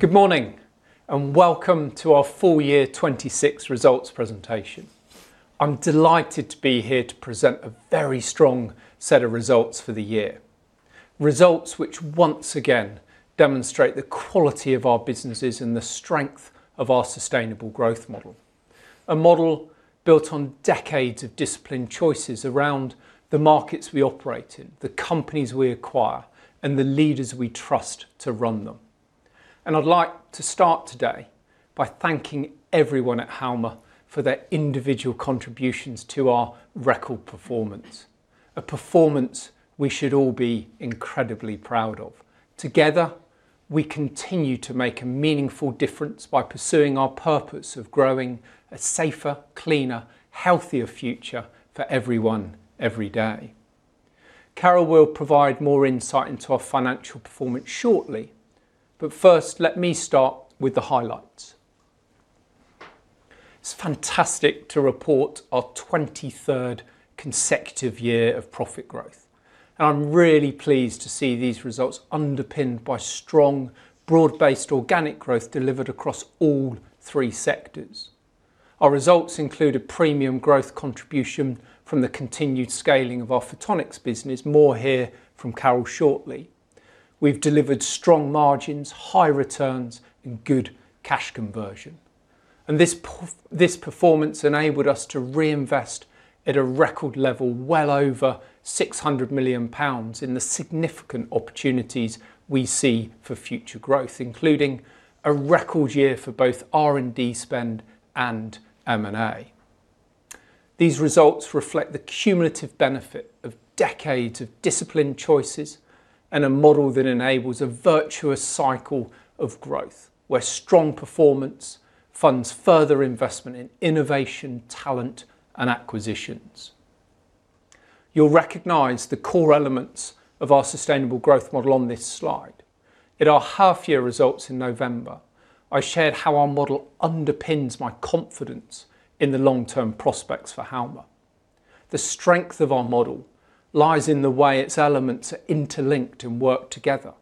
Good morning, welcome to our full year 2026 results presentation. I'm delighted to be here to present a very strong set of results for the year. Results which once again demonstrate the quality of our businesses and the strength of our sustainable growth model. A model built on decades of disciplined choices around the markets we operate in, the companies we acquire, and the leaders we trust to run them. I'd like to start today by thanking everyone at Halma for their individual contributions to our record performance. A performance we should all be incredibly proud of. Together, we continue to make a meaningful difference by pursuing our purpose of growing a safer, cleaner, healthier future for everyone, every day. Carole will provide more insight into our financial performance shortly, first, let me start with the highlights. It's fantastic to report our 23rd consecutive year of profit growth. I'm really pleased to see these results underpinned by strong, broad-based organic growth delivered across all three sectors. Our results include a premium growth contribution from the continued scaling of our Photonics business. More hear from Carole shortly. We've delivered strong margins, high returns, and good cash conversion. This performance enabled us to reinvest at a record level well over 600 million pounds in the significant opportunities we see for future growth, including a record year for both R&D spend and M&A. These results reflect the cumulative benefit of decades of disciplined choices and a model that enables a virtuous cycle of growth where strong performance funds further investment in innovation, talent, and acquisitions. You'll recognize the core elements of our sustainable growth model on this slide. At our half-year results in November, I shared how our model underpins my confidence in the long-term prospects for Halma. The strength of our model lies in the way its elements are interlinked and work together,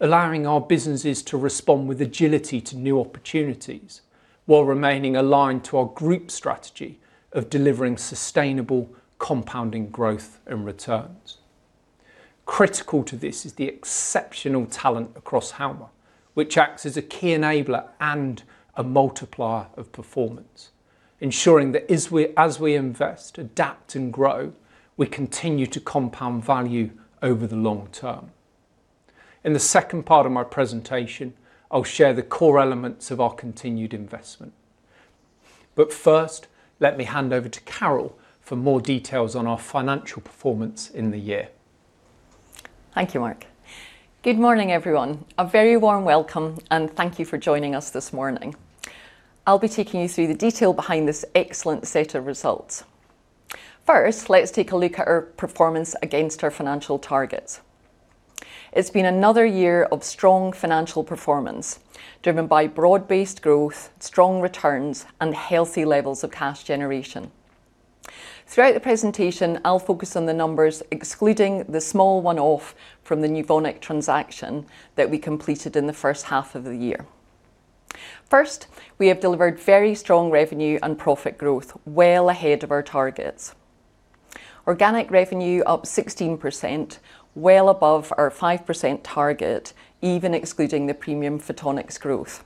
allowing our businesses to respond with agility to new opportunities while remaining aligned to our group strategy of delivering sustainable compounding growth and returns. Critical to this is the exceptional talent across Halma, which acts as a key enabler and a multiplier of performance, ensuring that as we invest, adapt, and grow, we continue to compound value over the long term. In the second part of my presentation, I'll share the core elements of our continued investment. First, let me hand over to Carole for more details on our financial performance in the year. Thank you, Marc. Good morning, everyone. A very warm welcome and thank you for joining us this morning. I'll be taking you through the detail behind this excellent set of results. First, let's take a look at our performance against our financial targets. It's been another year of strong financial performance, driven by broad-based growth, strong returns, and healthy levels of cash generation. Throughout the presentation, I'll focus on the numbers excluding the small one-off from the Nuvonic transaction that we completed in the first half of the year. First, we have delivered very strong revenue and profit growth, well ahead of our targets. Organic revenue up 16%, well above our 5% target, even excluding the premium Photonics growth.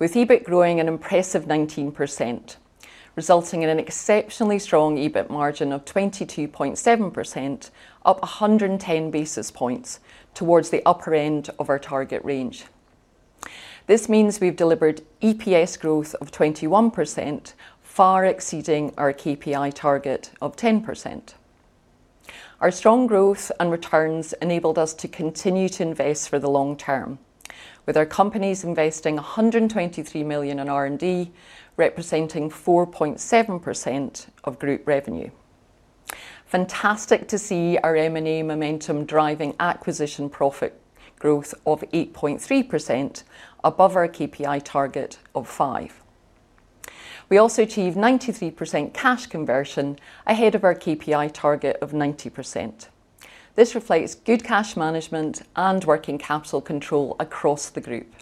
With EBIT growing an impressive 19%, resulting in an exceptionally strong EBIT margin of 22.7%, up 110 basis points towards the upper end of our target range. This means we've delivered EPS growth of 21%, far exceeding our KPI target of 10%. Our strong growth and returns enabled us to continue to invest for the long term, with our companies investing 123 million in R&D, representing 4.7% of group revenue. Fantastic to see our M&A momentum driving acquisition profit growth of 8.3% above our KPI target of 5%. We also achieved 93% cash conversion, ahead of our KPI target of 90%. This reflects good cash management and working capital control across the group.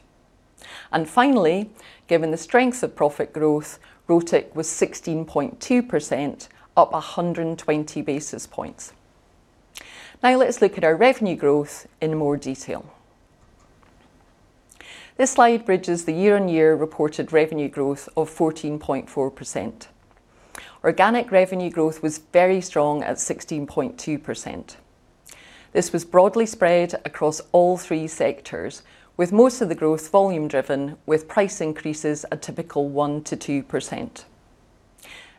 Finally, given the strength of profit growth, ROTIC was 16.2%, up 120 basis points. Let's look at our revenue growth in more detail. This slide bridges the year-on-year reported revenue growth of 14.4%. Organic revenue growth was very strong at 16.2%. This was broadly spread across all three sectors, with most of the growth volume driven, with price increases a typical 1%-2%.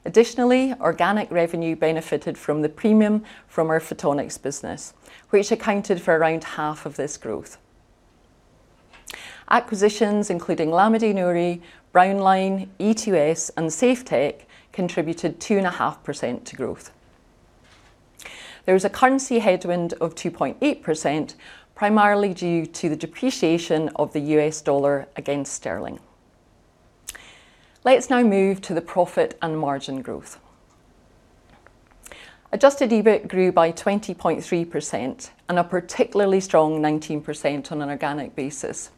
Additionally, organic revenue benefited from the premium from our Photonics business, which accounted for around half of this growth. Acquisitions including Lamidey-Noury, Brownline, E2S, and Safetec contributed 2.5% to growth. There was a currency headwind of 2.8%, primarily due to the depreciation of the US dollar against sterling. Let's move to the profit and margin growth. Adjusted EBIT grew by 20.3%, and a particularly strong 19% on an organic basis.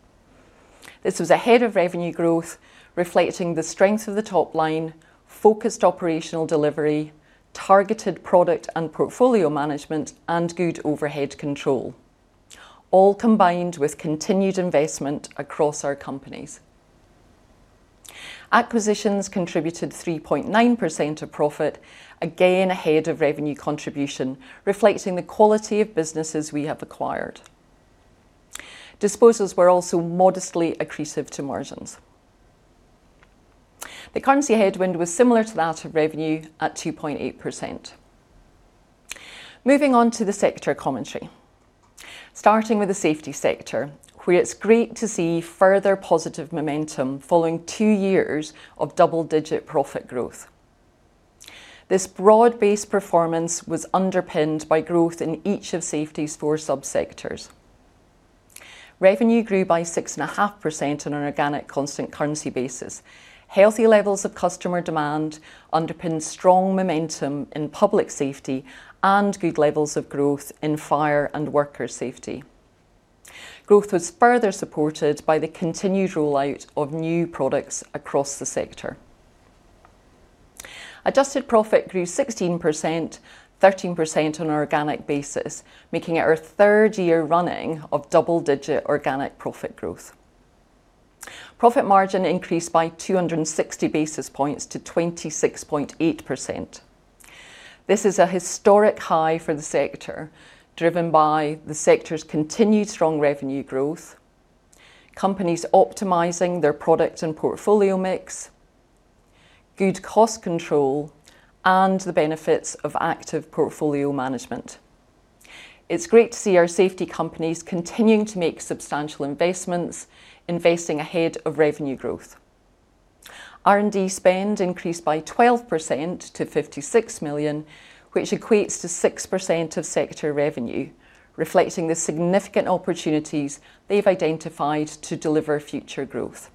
This was ahead of revenue growth, reflecting the strength of the top line, focused operational delivery, targeted product and portfolio management, and good overhead control, all combined with continued investment across our companies. Acquisitions contributed 3.9% of profit, again ahead of revenue contribution, reflecting the quality of businesses we have acquired. Disposals were also modestly accretive to margins. The currency headwind was similar to that of revenue at 2.8%. Starting with the safety sector, where it's great to see further positive momentum following two years of double-digit profit growth. This broad-based performance was underpinned by growth in each of safety's four sub-sectors. Revenue grew by 6.5% on an organic constant currency basis. Healthy levels of customer demand underpinned strong momentum in public safety and good levels of growth in fire and worker safety. Growth was further supported by the continued rollout of new products across the sector. Adjusted profit grew 16%, 13% on an organic basis, making it our third year running of double-digit organic profit growth. Profit margin increased by 260 basis points to 26.8%. This is a historic high for the sector, driven by the sector's continued strong revenue growth, companies optimizing their product and portfolio mix, good cost control, and the benefits of active portfolio management. It's great to see our safety companies continuing to make substantial investments, investing ahead of revenue growth. R&D spend increased by 12% to 56 million, which equates to 6% of sector revenue, reflecting the significant opportunities they've identified to deliver future growth.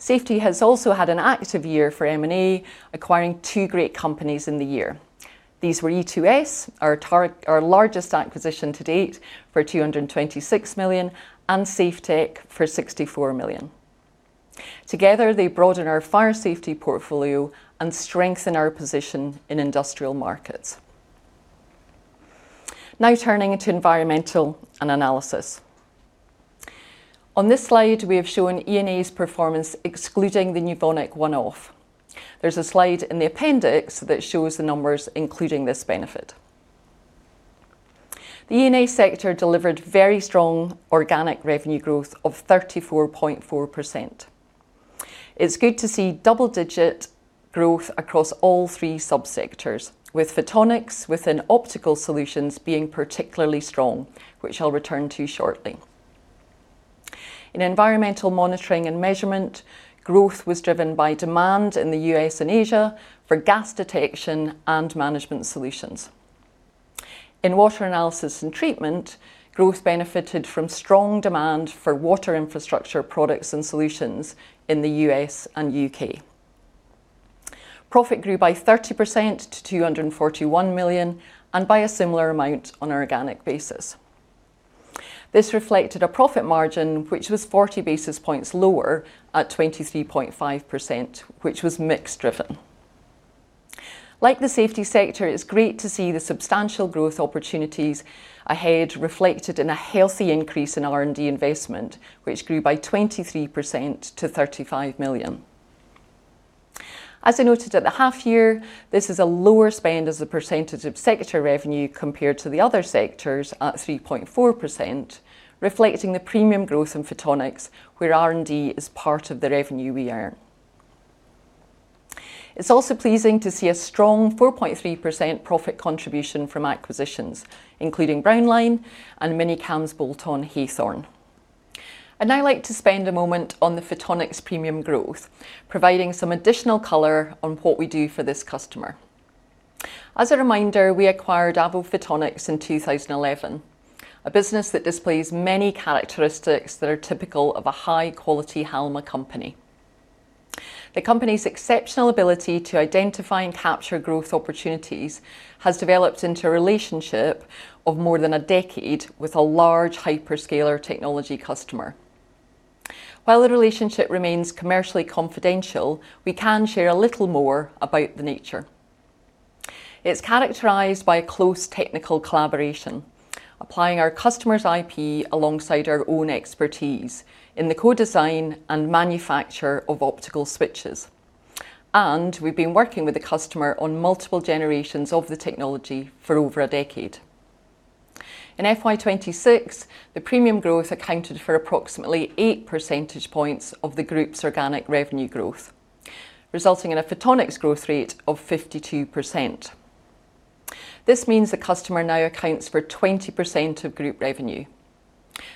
Safety has also had an active year for M&A, acquiring two great companies in the year. These were E2S, our largest acquisition to date for 226 million, and Safetec for 64 million. Together, they broaden our fire safety portfolio and strengthen our position in industrial markets. Turning to Environmental & Analysis. On this slide, we have shown E&A's performance excluding the Nuvonic one-off. There's a slide in the appendix that shows the numbers, including this benefit. The E&A sector delivered very strong organic revenue growth of 34.4%. It's good to see double-digit growth across all three sub-sectors, with Photonics within optical solutions being particularly strong, which I'll return to shortly. In environmental monitoring and measurement, growth was driven by demand in the U.S. and Asia for gas detection and management solutions. In water analysis and treatment, growth benefited from strong demand for water infrastructure products and solutions in the U.S. and U.K. Profit grew by 30% to 241 million and by a similar amount on an organic basis. This reflected a profit margin, which was 40 basis points lower at 23.5%, which was mix driven. Like the safety sector, it's great to see the substantial growth opportunities ahead reflected in a healthy increase in R&D investment, which grew by 23% to 35 million. As I noted at the half year, this is a lower spend as a percentage of sector revenue compared to the other sectors at 3.4%, reflecting the premium growth in Photonics, where R&D is part of the revenue we earn. It's also pleasing to see a strong 4.3% profit contribution from acquisitions, including Brownline and Mini-Cam's bolt-on, Hawthorne. I'd now like to spend a moment on the Photonics premium growth, providing some additional color on what we do for this customer. As a reminder, we acquired Avo Photonics in 2011, a business that displays many characteristics that are typical of a high-quality Halma company. The company's exceptional ability to identify and capture growth opportunities has developed into a relationship of more than a decade with a large hyperscaler technology customer. While the relationship remains commercially confidential, we can share a little more about the nature. It's characterized by close technical collaboration, applying our customer's IP alongside our own expertise in the co-design and manufacture of optical switches. We've been working with the customer on multiple generations of the technology for over a decade. In FY 2026, the premium growth accounted for approximately eight percentage points of the group's organic revenue growth, resulting in a Photonics growth rate of 52%. This means the customer now accounts for 20% of group revenue.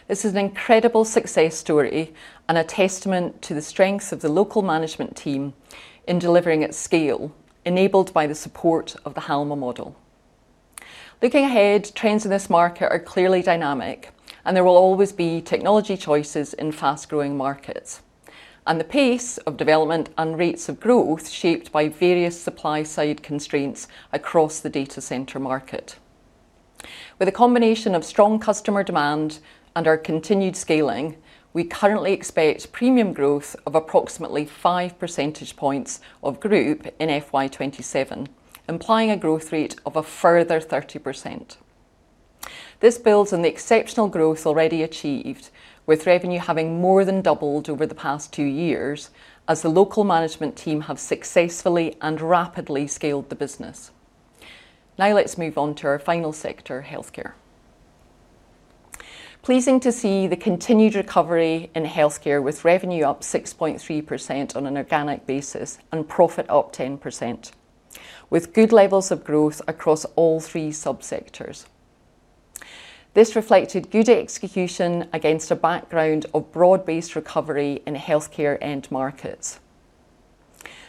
This is an incredible success story and a testament to the strengths of the local management team in delivering at scale, enabled by the support of the Halma model. Looking ahead, trends in this market are clearly dynamic, and there will always be technology choices in fast-growing markets, and the pace of development and rates of growth shaped by various supply-side constraints across the data center market. With a combination of strong customer demand and our continued scaling, we currently expect premium growth of approximately five percentage points of Group in FY 2027, implying a growth rate of a further 30%. This builds on the exceptional growth already achieved, with revenue having more than doubled over the past two years as the local management team have successfully and rapidly scaled the business. Now let's move on to our final sector, healthcare. Pleasing to see the continued recovery in healthcare with revenue up 6.3% on an organic basis and profit up 10%, with good levels of growth across all three sub-sectors. This reflected good execution against a background of broad-based recovery in healthcare end markets,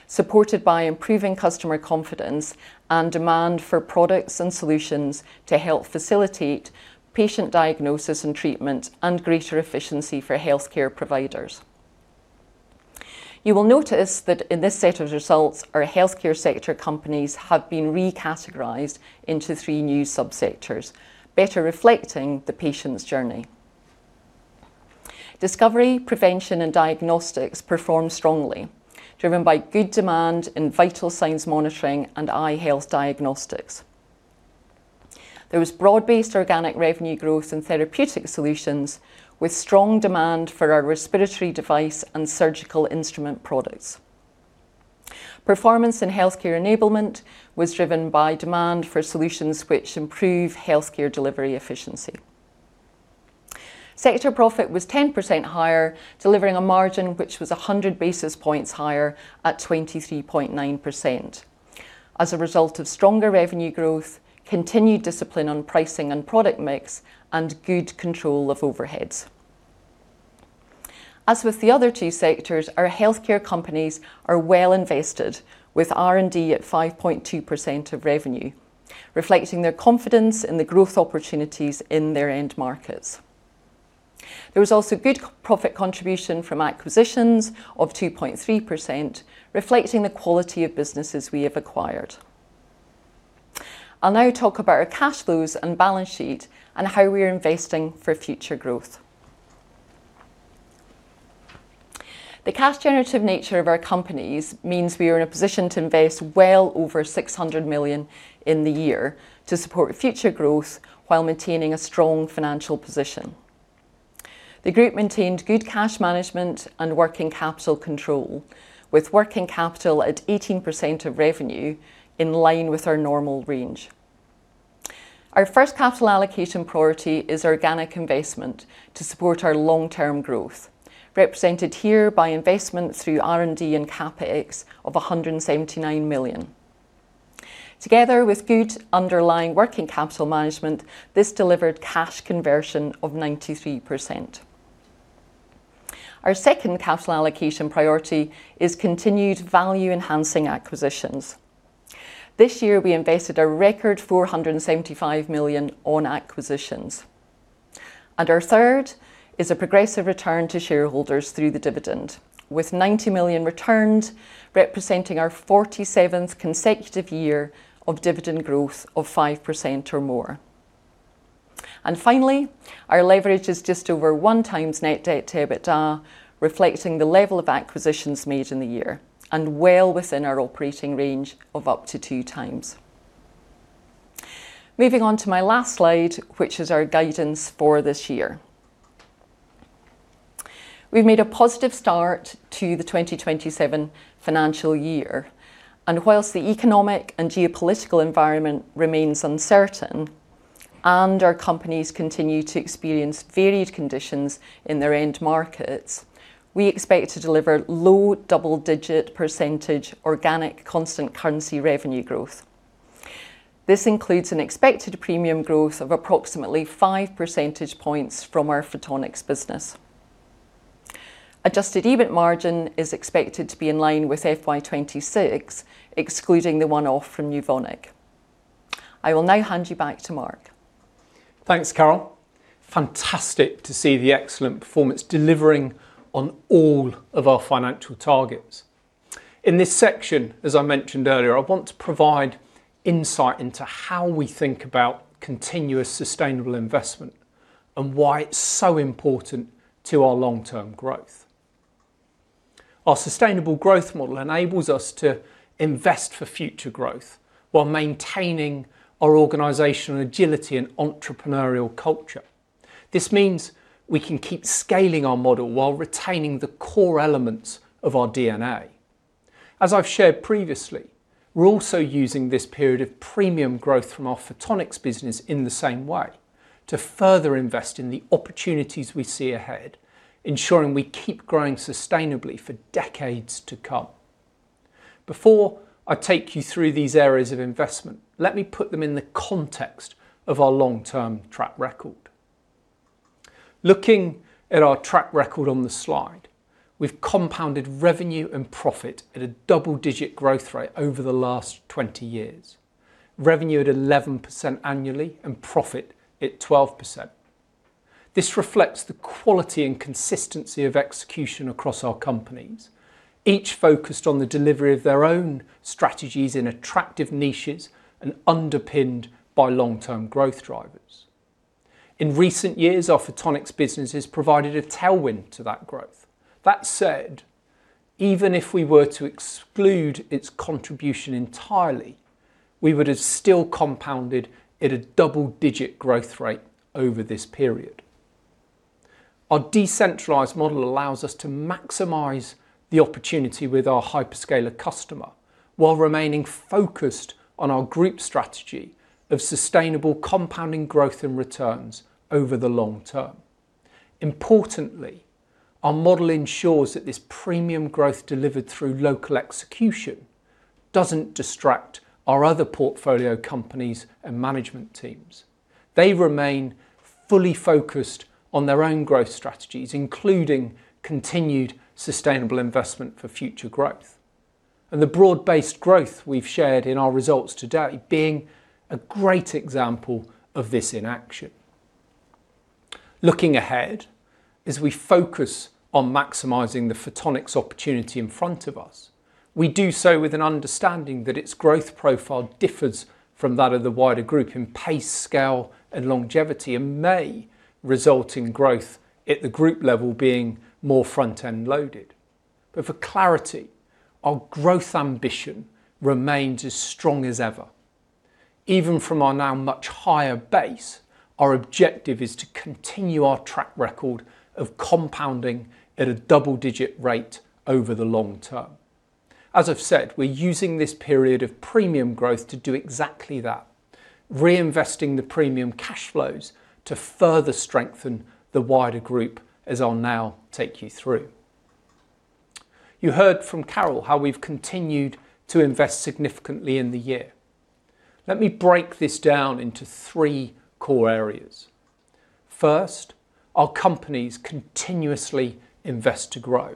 supported by improving customer confidence and demand for products and solutions to help facilitate patient diagnosis and treatment and greater efficiency for healthcare providers. You will notice that in this set of results, our healthcare sector companies have been recategorized into three new sub-sectors, better reflecting the patient's journey. Discovery, Prevention, and Diagnostics performed strongly, driven by good demand in vital signs monitoring and eye health diagnostics. There was broad-based organic revenue growth in therapeutic solutions with strong demand for our respiratory device and surgical instrument products. Performance in healthcare enablement was driven by demand for solutions which improve healthcare delivery efficiency. Sector profit was 10% higher, delivering a margin which was 100 basis points higher at 23.9%. As a result of stronger revenue growth, continued discipline on pricing and product mix, and good control of overheads. As with the other two sectors, our healthcare companies are well invested with R&D at 5.2% of revenue, reflecting their confidence in the growth opportunities in their end markets. There was also good profit contribution from acquisitions of 2.3%, reflecting the quality of businesses we have acquired. I will now talk about our cash flows and balance sheet and how we are investing for future growth. The cash generative nature of our companies means we are in a position to invest well over 600 million in the year to support future growth while maintaining a strong financial position. The Group maintained good cash management and working capital control with working capital at 18% of revenue in line with our normal range. Our first capital allocation priority is organic investment to support our long-term growth, represented here by investment through R&D and CapEx of 179 million. Together with good underlying working capital management, this delivered cash conversion of 93%. Our second capital allocation priority is continued value-enhancing acquisitions. This year, we invested a record 475 million on acquisitions. Our third is a progressive return to shareholders through the dividend, with 90 million returned representing our 47th consecutive year of dividend growth of 5% or more. Finally, our leverage is just over one time net debt to EBITDA, reflecting the level of acquisitions made in the year and well within our operating range of up to 2x. Moving on to my last slide, which is our guidance for this year. We have made a positive start to the 2027 financial year, and whilst the economic and geopolitical environment remains uncertain and our companies continue to experience varied conditions in their end markets, we expect to deliver low double-digit percentage organic constant currency revenue growth. This includes an expected premium growth of approximately five percentage points from our Photonics business. Adjusted EBIT margin is expected to be in line with FY 2026, excluding the one-off from Nuvonic. I will now hand you back to Marc. Thanks, Carole. Fantastic to see the excellent performance delivering on all of our financial targets. In this section, as I mentioned earlier, I want to provide insight into how we think about continuous sustainable investment and why it's so important to our long-term growth. Our sustainable growth model enables us to invest for future growth while maintaining our organizational agility and entrepreneurial culture. This means we can keep scaling our model while retaining the core elements of our DNA. As I've shared previously, we're also using this period of premium growth from our Photonics business in the same way, to further invest in the opportunities we see ahead, ensuring we keep growing sustainably for decades to come. Before I take you through these areas of investment, let me put them in the context of our long-term track record. Looking at our track record on the slide, we've compounded revenue and profit at a double-digit growth rate over the last 20 years. Revenue at 11% annually and profit at 12%. This reflects the quality and consistency of execution across our companies, each focused on the delivery of their own strategies in attractive niches and underpinned by long-term growth drivers. In recent years, our Photonics business has provided a tailwind to that growth. That said, even if we were to exclude its contribution entirely, we would have still compounded at a double-digit growth rate over this period. Our decentralized model allows us to maximize the opportunity with our hyperscaler customer while remaining focused on our group strategy of sustainable compounding growth and returns over the long term. Importantly, our model ensures that this premium growth delivered through local execution doesn't distract our other portfolio companies and management teams. They remain fully focused on their own growth strategies, including continued sustainable investment for future growth, and the broad-based growth we've shared in our results today being a great example of this in action. Looking ahead, as we focus on maximizing the Photonics opportunity in front of us, we do so with an understanding that its growth profile differs from that of the wider group in pace, scale, and longevity, and may result in growth at the group level being more front-end loaded. For clarity, our growth ambition remains as strong as ever. Even from our now much higher base, our objective is to continue our track record of compounding at a double-digit rate over the long term. As I've said, we're using this period of premium growth to do exactly that, reinvesting the premium cash flows to further strengthen the wider group, as I'll now take you through. You heard from Carole how we've continued to invest significantly in the year. Let me break this down into three core areas. First, our companies continuously invest to grow.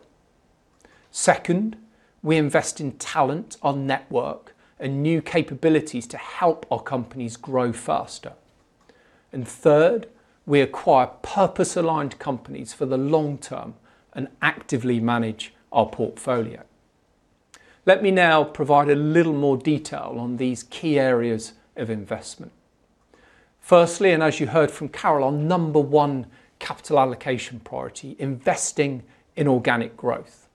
Second, we invest in talent, our network, and new capabilities to help our companies grow faster. Third, we acquire purpose-aligned companies for the long term and actively manage our portfolio. Let me now provide a little more detail on these key areas of investment. Firstly, and as you heard from Carole, our number one capital allocation priority, investing in organic growth.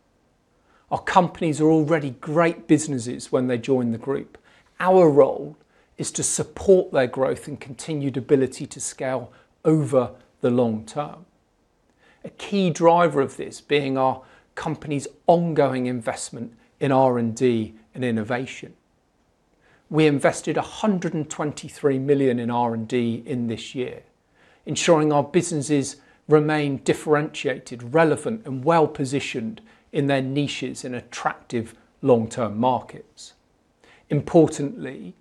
Our companies are already great businesses when they join the group. Our role is to support their growth and continued ability to scale over the long term. A key driver of this being our company's ongoing investment in R&D and innovation. We invested 123 million in R&D in this year, ensuring our businesses remain differentiated, relevant, and well-positioned in their niches in attractive long-term markets. Importantly,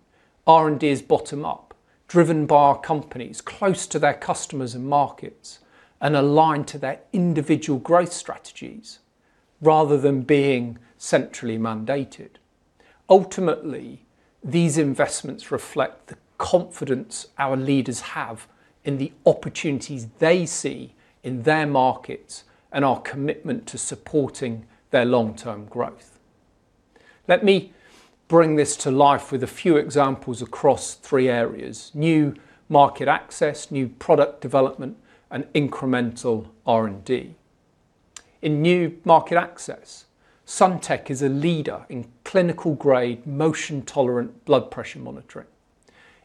R&D is bottom-up, driven by our companies close to their customers and markets, and aligned to their individual growth strategies rather than being centrally mandated. Ultimately, these investments reflect the confidence our leaders have in the opportunities they see in their markets and our commitment to supporting their long-term growth. Let me bring this to life with a few examples across three areas: new market access, new product development, and incremental R&D. In new market access, SunTech is a leader in clinical-grade, motion-tolerant blood pressure monitoring.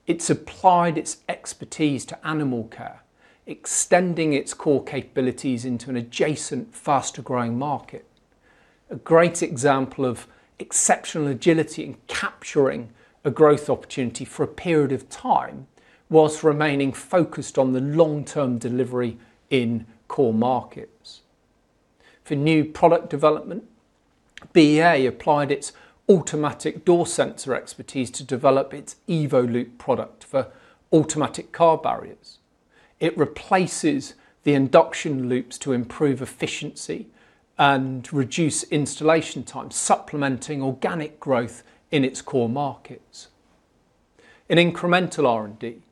It supplied its expertise to animal care, extending its core capabilities into an adjacent, faster-growing market. A great example of exceptional agility in capturing a growth opportunity for a period of time while remaining focused on the long-term delivery in core markets. For new product development, BEA applied its automatic door sensor expertise to develop its EVOLOOP product for automatic car barriers. It replaces the induction loops to improve efficiency and reduce installation time, supplementing organic growth in its core markets. In incremental R&D,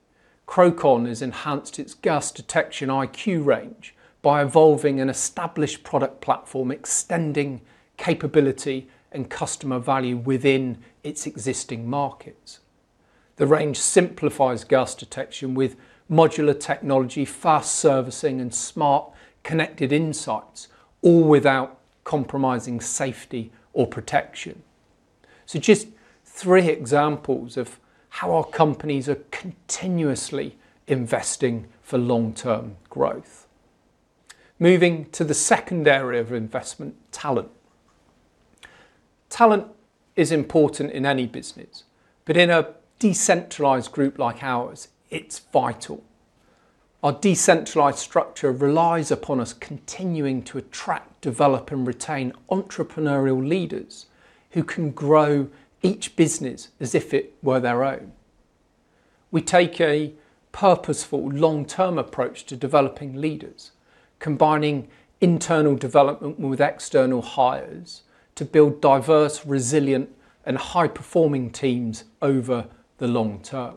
Crowcon has enhanced its gas detection IQ range by evolving an established product platform, extending capability and customer value within its existing markets. The range simplifies gas detection with modular technology, fast servicing, and smart, connected insights, all without compromising safety or protection. Just three examples of how our companies are continuously investing for long-term growth. Moving to the second area of investment, talent. Talent is important in any business, but in a decentralized group like ours, it's vital. Our decentralized structure relies upon us continuing to attract, develop, and retain entrepreneurial leaders who can grow each business as if it were their own. We take a purposeful long-term approach to developing leaders, combining internal development with external hires to build diverse, resilient, and high-performing teams over the long term.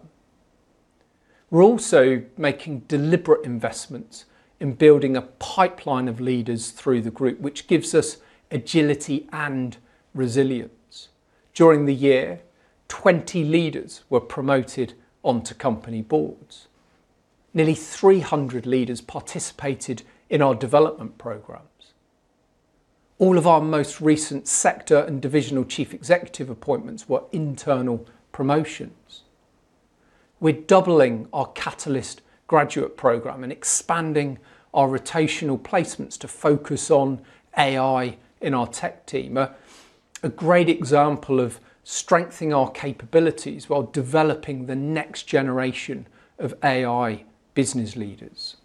We're also making deliberate investments in building a pipeline of leaders through the group, which gives us agility and resilience. During the year, 20 leaders were promoted onto company boards. Nearly 300 leaders participated in our development programs. All of our most recent sector and divisional Chief Executive appointments were internal promotions. We're doubling our Catalyst graduate program and expanding our rotational placements to focus on AI in our tech team, a great example of strengthening our capabilities while developing the next generation of AI business leaders.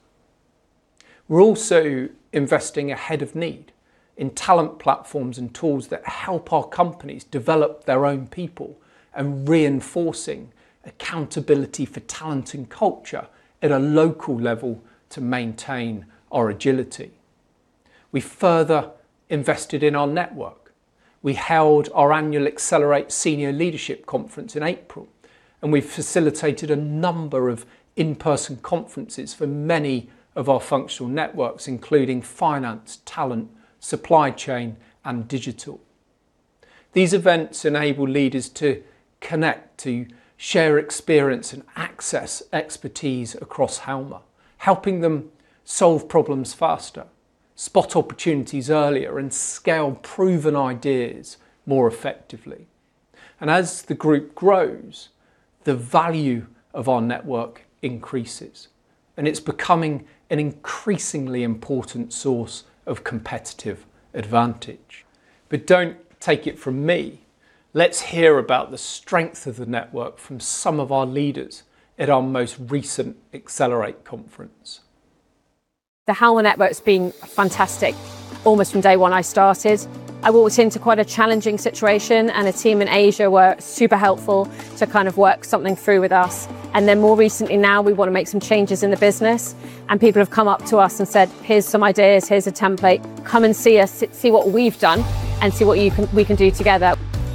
We're also investing ahead of need in talent platforms and tools that help our companies develop their own people, reinforcing accountability for talent and culture at a local level to maintain our agility. We further invested in our network. We held our annual Accelerate senior leadership conference in April, and we facilitated a number of in-person conferences for many of our functional networks, including finance, talent, supply chain, and digital. These events enable leaders to connect, to share experience, and access expertise across Halma, helping them solve problems faster, spot opportunities earlier, and scale proven ideas more effectively. As the group grows, the value of our network increases, and it's becoming an increasingly important source of competitive advantage. Don't take it from me. Let's hear about the strength of the network from some of our leaders at our most recent Accelerate conference. The Halma network's been fantastic almost from day one I started. I walked into quite a challenging situation, a team in Asia were super helpful to kind of work something through with us. More recently now, we want to make some changes in the business, and people have come up to us and said, "Here's some ideas. Here's a template. Come and see us. See what we've done, and see what we can do together.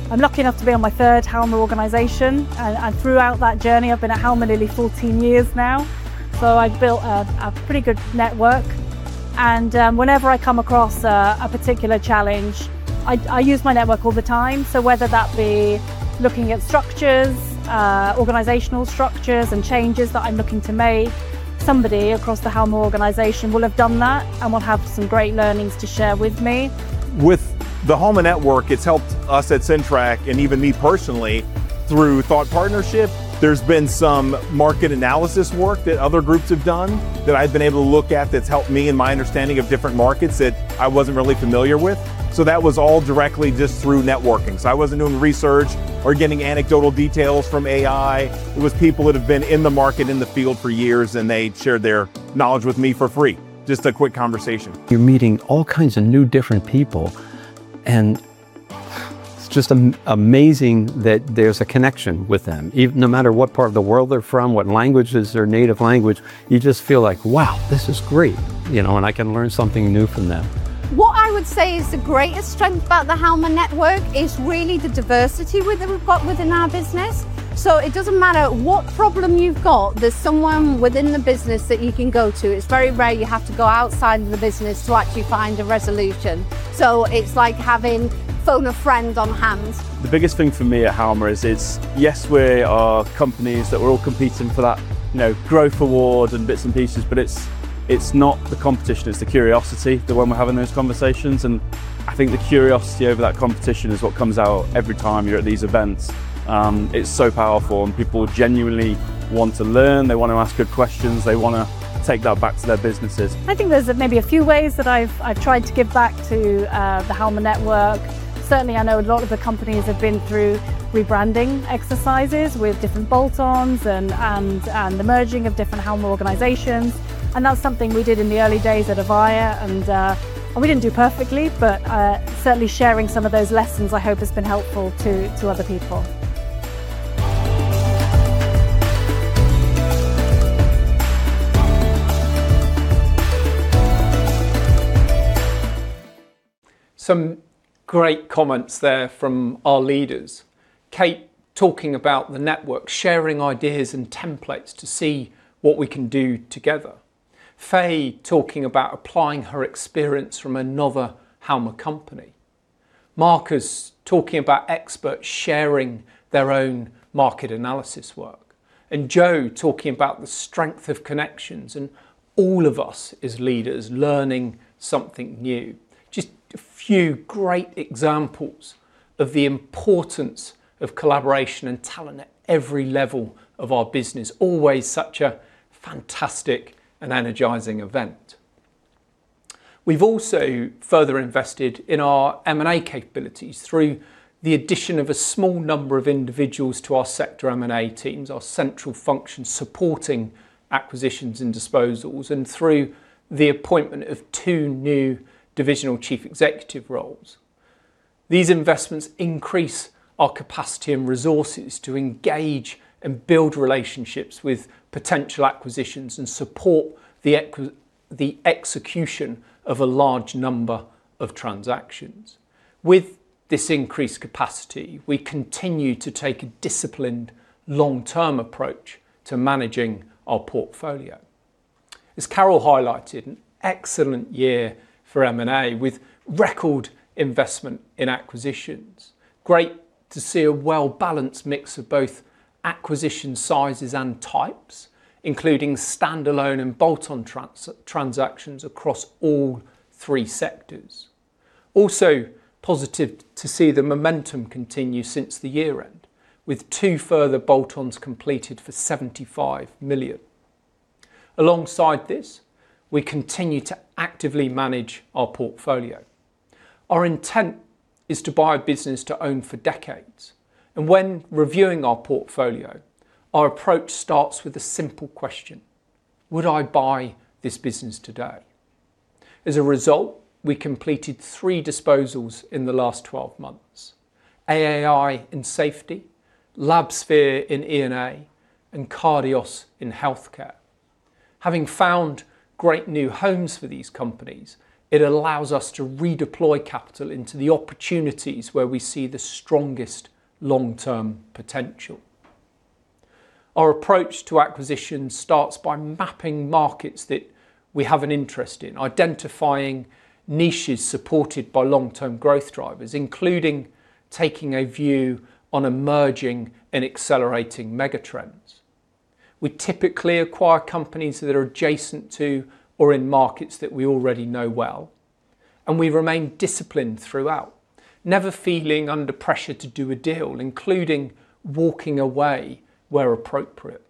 I'm lucky enough to be on my third Halma organization. Throughout that journey, I've been at Halma nearly 14 years now. I've built a pretty good network. Whenever I come across a particular challenge, I use my network all the time. Whether that be looking at structures, organizational structures and changes that I'm looking to make, somebody across the Halma organization will have done that and will have some great learnings to share with me. With the Halma network, it's helped us at CenTrak, and even me personally, through thought partnership. There's been some market analysis work that other groups have done that I've been able to look at that's helped me in my understanding of different markets that I wasn't really familiar with. That was all directly just through networking. I wasn't doing research or getting anecdotal details from AI. It was people that have been in the market, in the field for years, and they shared their knowledge with me for free. Just a quick conversation. You're meeting all kinds of new, different people, and it's just amazing that there's a connection with them. No matter what part of the world they're from, what language is their native language, you just feel like, wow, this is great, and I can learn something new from them. What I would say is the greatest strength about the Halma network is really the diversity we've got within our business. It doesn't matter what problem you've got, there's someone within the business that you can go to. It's very rare you have to go outside of the business to actually find a resolution. It's like having phone-a-friend on hand. The biggest thing for me at Halma is yes, we are companies that we're all competing for that growth award and bits and pieces, but it's not the competition, it's the curiosity that when we're having those conversations. I think the curiosity over that competition is what comes out every time you're at these events. It's so powerful, and people genuinely want to learn. They want to ask good questions. They want to take that back to their businesses. I think there's maybe a few ways that I've tried to give back to the Halma network. Certainly, I know a lot of the companies have been through rebranding exercises with different bolt-ons and the merging of different Halma organizations. That's something we did in the early days at Avaya. We didn't do perfectly, but certainly sharing some of those lessons I hope has been helpful to other people. Some great comments there from our leaders. Kate talking about the network, sharing ideas and templates to see what we can do together. Faye talking about applying her experience from another Halma company. Marcus talking about experts sharing their own market analysis work. Joe talking about the strength of connections and all of us as leaders learning something new. Just a few great examples of the importance of collaboration and talent at every level of our business. Always such a fantastic and energizing event. We've also further invested in our M&A capabilities through the addition of a small number of individuals to our sector M&A teams, our central function supporting acquisitions and disposals, and through the appointment of two new divisional chief executive roles. These investments increase our capacity and resources to engage and build relationships with potential acquisitions and support the execution of a large number of transactions. With this increased capacity, we continue to take a disciplined, long-term approach to managing our portfolio. As Carole highlighted, an excellent year for M&A with record investment in acquisitions. Great to see a well-balanced mix of both acquisition sizes and types, including standalone and bolt-on transactions across all three sectors. Also positive to see the momentum continue since the year-end, with two further bolt-ons completed for 75 million. Alongside this, we continue to actively manage our portfolio. Our intent is to buy a business to own for decades. When reviewing our portfolio, our approach starts with a simple question: Would I buy this business today? As a result, we completed three disposals in the last 12 months. AAI in Safety, Labsphere in E&A, and Cardios in Healthcare. Having found great new homes for these companies, it allows us to redeploy capital into the opportunities where we see the strongest long-term potential. Our approach to acquisitions starts by mapping markets that we have an interest in, identifying niches supported by long-term growth drivers, including taking a view on emerging and accelerating mega trends. We typically acquire companies that are adjacent to or in markets that we already know well. We remain disciplined throughout, never feeling under pressure to do a deal, including walking away where appropriate.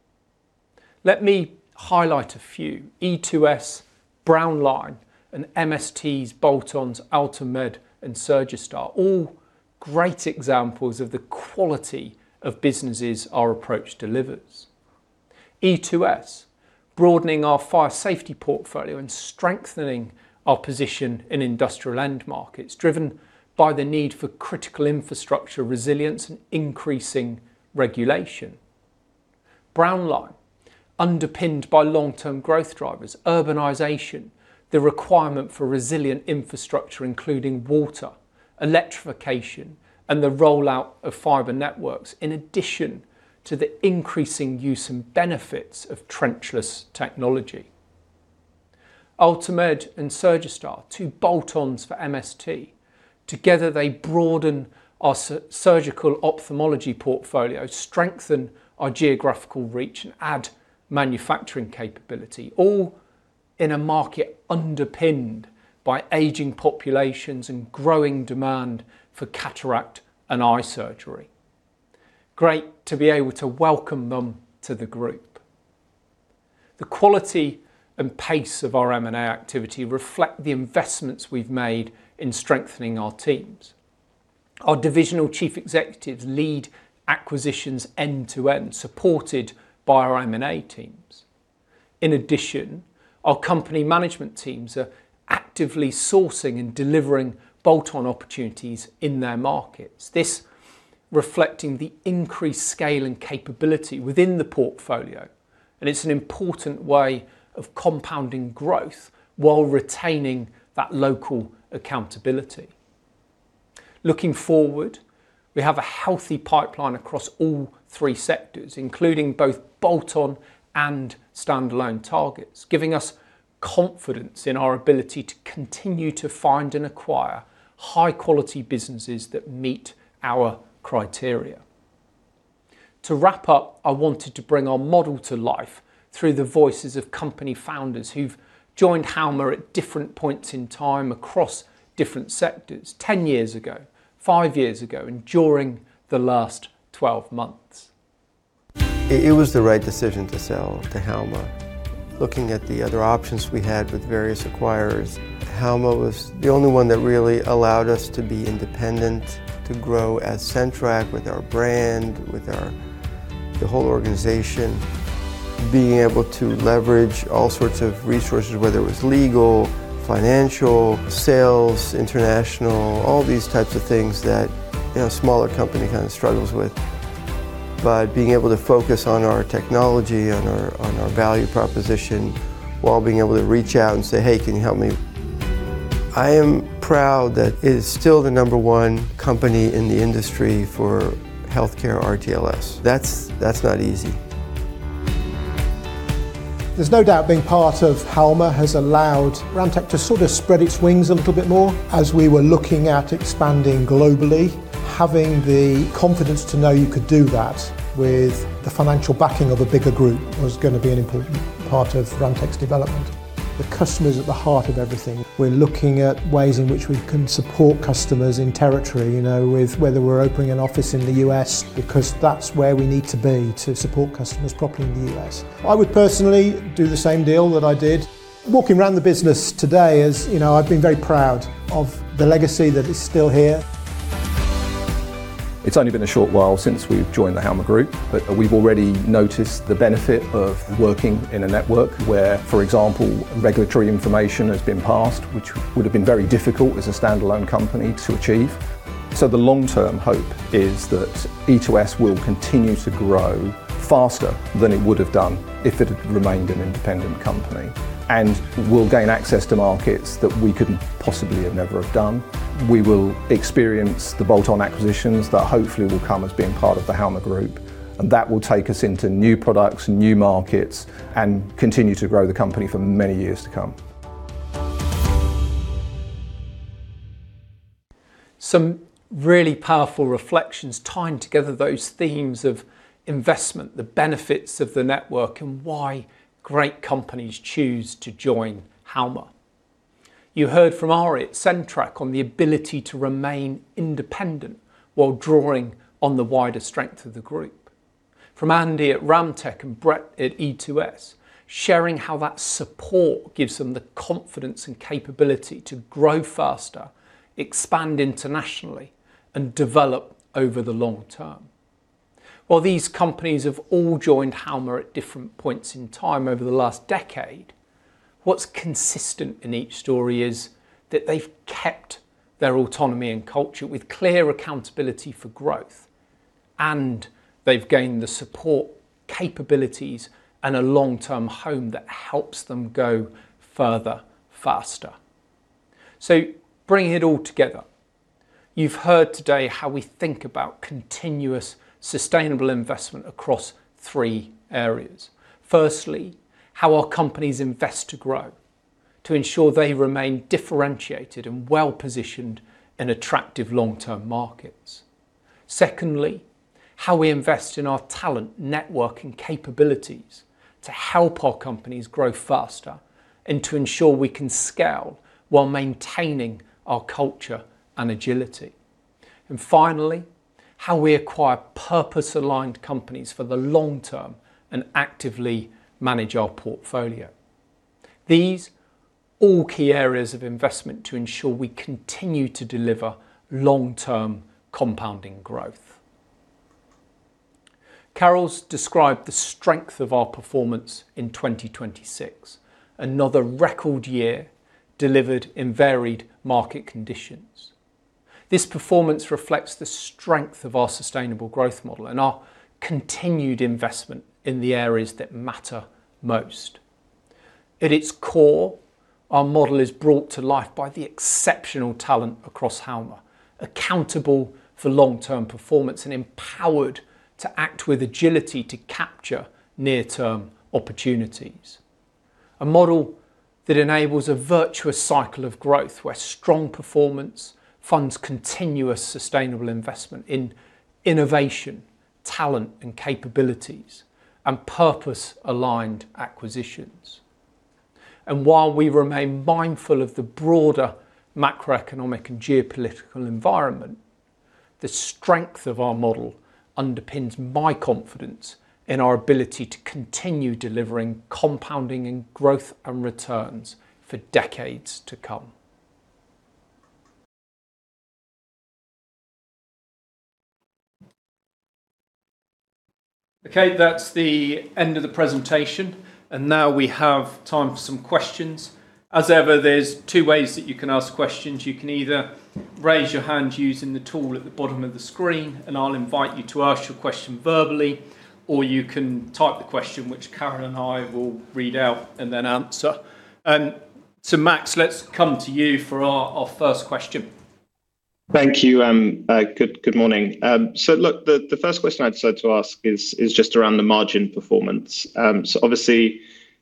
Let me highlight a few. E2S, Brownline, and MST's bolt-ons, Ultramed, and Surgistar. All great examples of the quality of businesses our approach delivers. E2S, broadening our fire safety portfolio and strengthening our position in industrial end markets, driven by the need for critical infrastructure resilience and increasing regulation. Brownline, underpinned by long-term growth drivers, urbanization, the requirement for resilient infrastructure, including water, electrification, and the rollout of fiber networks, in addition to the increasing use and benefits of trenchless technology. Ultramed and Surgistar are two bolt-ons for MST. Together, they broaden our surgical ophthalmology portfolio, strengthen our geographical reach, and add manufacturing capability, all in a market underpinned by aging populations and growing demand for cataract and eye surgery. Great to be able to welcome them to the group. The quality and pace of our M&A activity reflect the investments we've made in strengthening our teams. Our divisional chief executives lead acquisitions end to end, supported by our M&A teams. In addition, our company management teams are actively sourcing and delivering bolt-on opportunities in their markets. This reflecting the increased scale and capability within the portfolio. It's an important way of compounding growth while retaining that local accountability. Looking forward, we have a healthy pipeline across all three sectors, including both bolt-on and standalone targets, giving us confidence in our ability to continue to find and acquire high-quality businesses that meet our criteria. To wrap up, I wanted to bring our model to life through the voices of company founders who've joined Halma at different points in time across different sectors 10 years ago, five years ago, and during the last 12 months. It was the right decision to sell to Halma. Looking at the other options we had with various acquirers, Halma was the only one that really allowed us to be independent, to grow as CenTrak with our brand, with the whole organization. Being able to leverage all sorts of resources, whether it was legal, financial, sales, international, all these types of things that a smaller company kind of struggles with. Being able to focus on our technology, on our value proposition, while being able to reach out and say, "Hey, can you help me?" I am proud that it is still the number one company in the industry for healthcare RTLS. That's not easy. There's no doubt being part of Halma has allowed Ramtech to sort of spread its wings a little bit more. As we were looking at expanding globally, having the confidence to know you could do that with the financial backing of a bigger group was going to be an important part of Ramtech's development. The customer is at the heart of everything. We're looking at ways in which we can support customers in territory, whether we're opening an office in the U.S., because that's where we need to be to support customers properly in the U.S. I would personally do the same deal that I did. Walking around the business today, I've been very proud of the legacy that is still here. It's only been a short while since we've joined the Halma Group, we've already noticed the benefit of working in a network where, for example, regulatory information has been passed, which would have been very difficult as a standalone company to achieve. The long-term hope is that E2S will continue to grow faster than it would have done if it had remained an independent company, and we'll gain access to markets that we couldn't possibly have never have done. We will experience the bolt-on acquisitions that hopefully will come as being part of the Halma Group, and that will take us into new products and new markets and continue to grow the company for many years to come. Some really powerful reflections tying together those themes of investment, the benefits of the network, and why great companies choose to join Halma. You heard from Ari at CenTrak on the ability to remain independent while drawing on the wider strength of the group. From Andy at Ramtech and Brett at E2S, sharing how that support gives them the confidence and capability to grow faster, expand internationally, and develop over the long term. While these companies have all joined Halma at different points in time over the last decade, what's consistent in each story is that they've kept their autonomy and culture with clear accountability for growth, they've gained the support capabilities and a long-term home that helps them go further, faster. Bringing it all together, you've heard today how we think about continuous sustainable investment across three areas. Firstly, how our companies invest to grow to ensure they remain differentiated and well-positioned in attractive long-term markets. Secondly, how we invest in our talent network and capabilities to help our companies grow faster and to ensure we can scale while maintaining our culture and agility. Finally, how we acquire purpose-aligned companies for the long term and actively manage our portfolio. These all key areas of investment to ensure we continue to deliver long-term compounding growth. Carole's described the strength of our performance in 2026, another record year delivered in varied market conditions. This performance reflects the strength of our sustainable growth model and our continued investment in the areas that matter most. At its core, our model is brought to life by the exceptional talent across Halma, accountable for long-term performance, and empowered to act with agility to capture near-term opportunities. A model that enables a virtuous cycle of growth where strong performance funds continuous sustainable investment in innovation, talent, and capabilities, and purpose-aligned acquisitions. While we remain mindful of the broader macroeconomic and geopolitical environment, the strength of our model underpins my confidence in our ability to continue delivering compounding and growth and returns for decades to come. Okay, that's the end of the presentation, now we have time for some questions. As ever, there's two ways that you can ask questions. You can either raise your hand using the tool at the bottom of the screen, and I'll invite you to ask your question verbally, or you can type the question, which Carole and I will read out and then answer. Max, let's come to you for our first question. Thank you. Good morning. Look, the first question I'd like to ask is just around the margin performance. Obviously,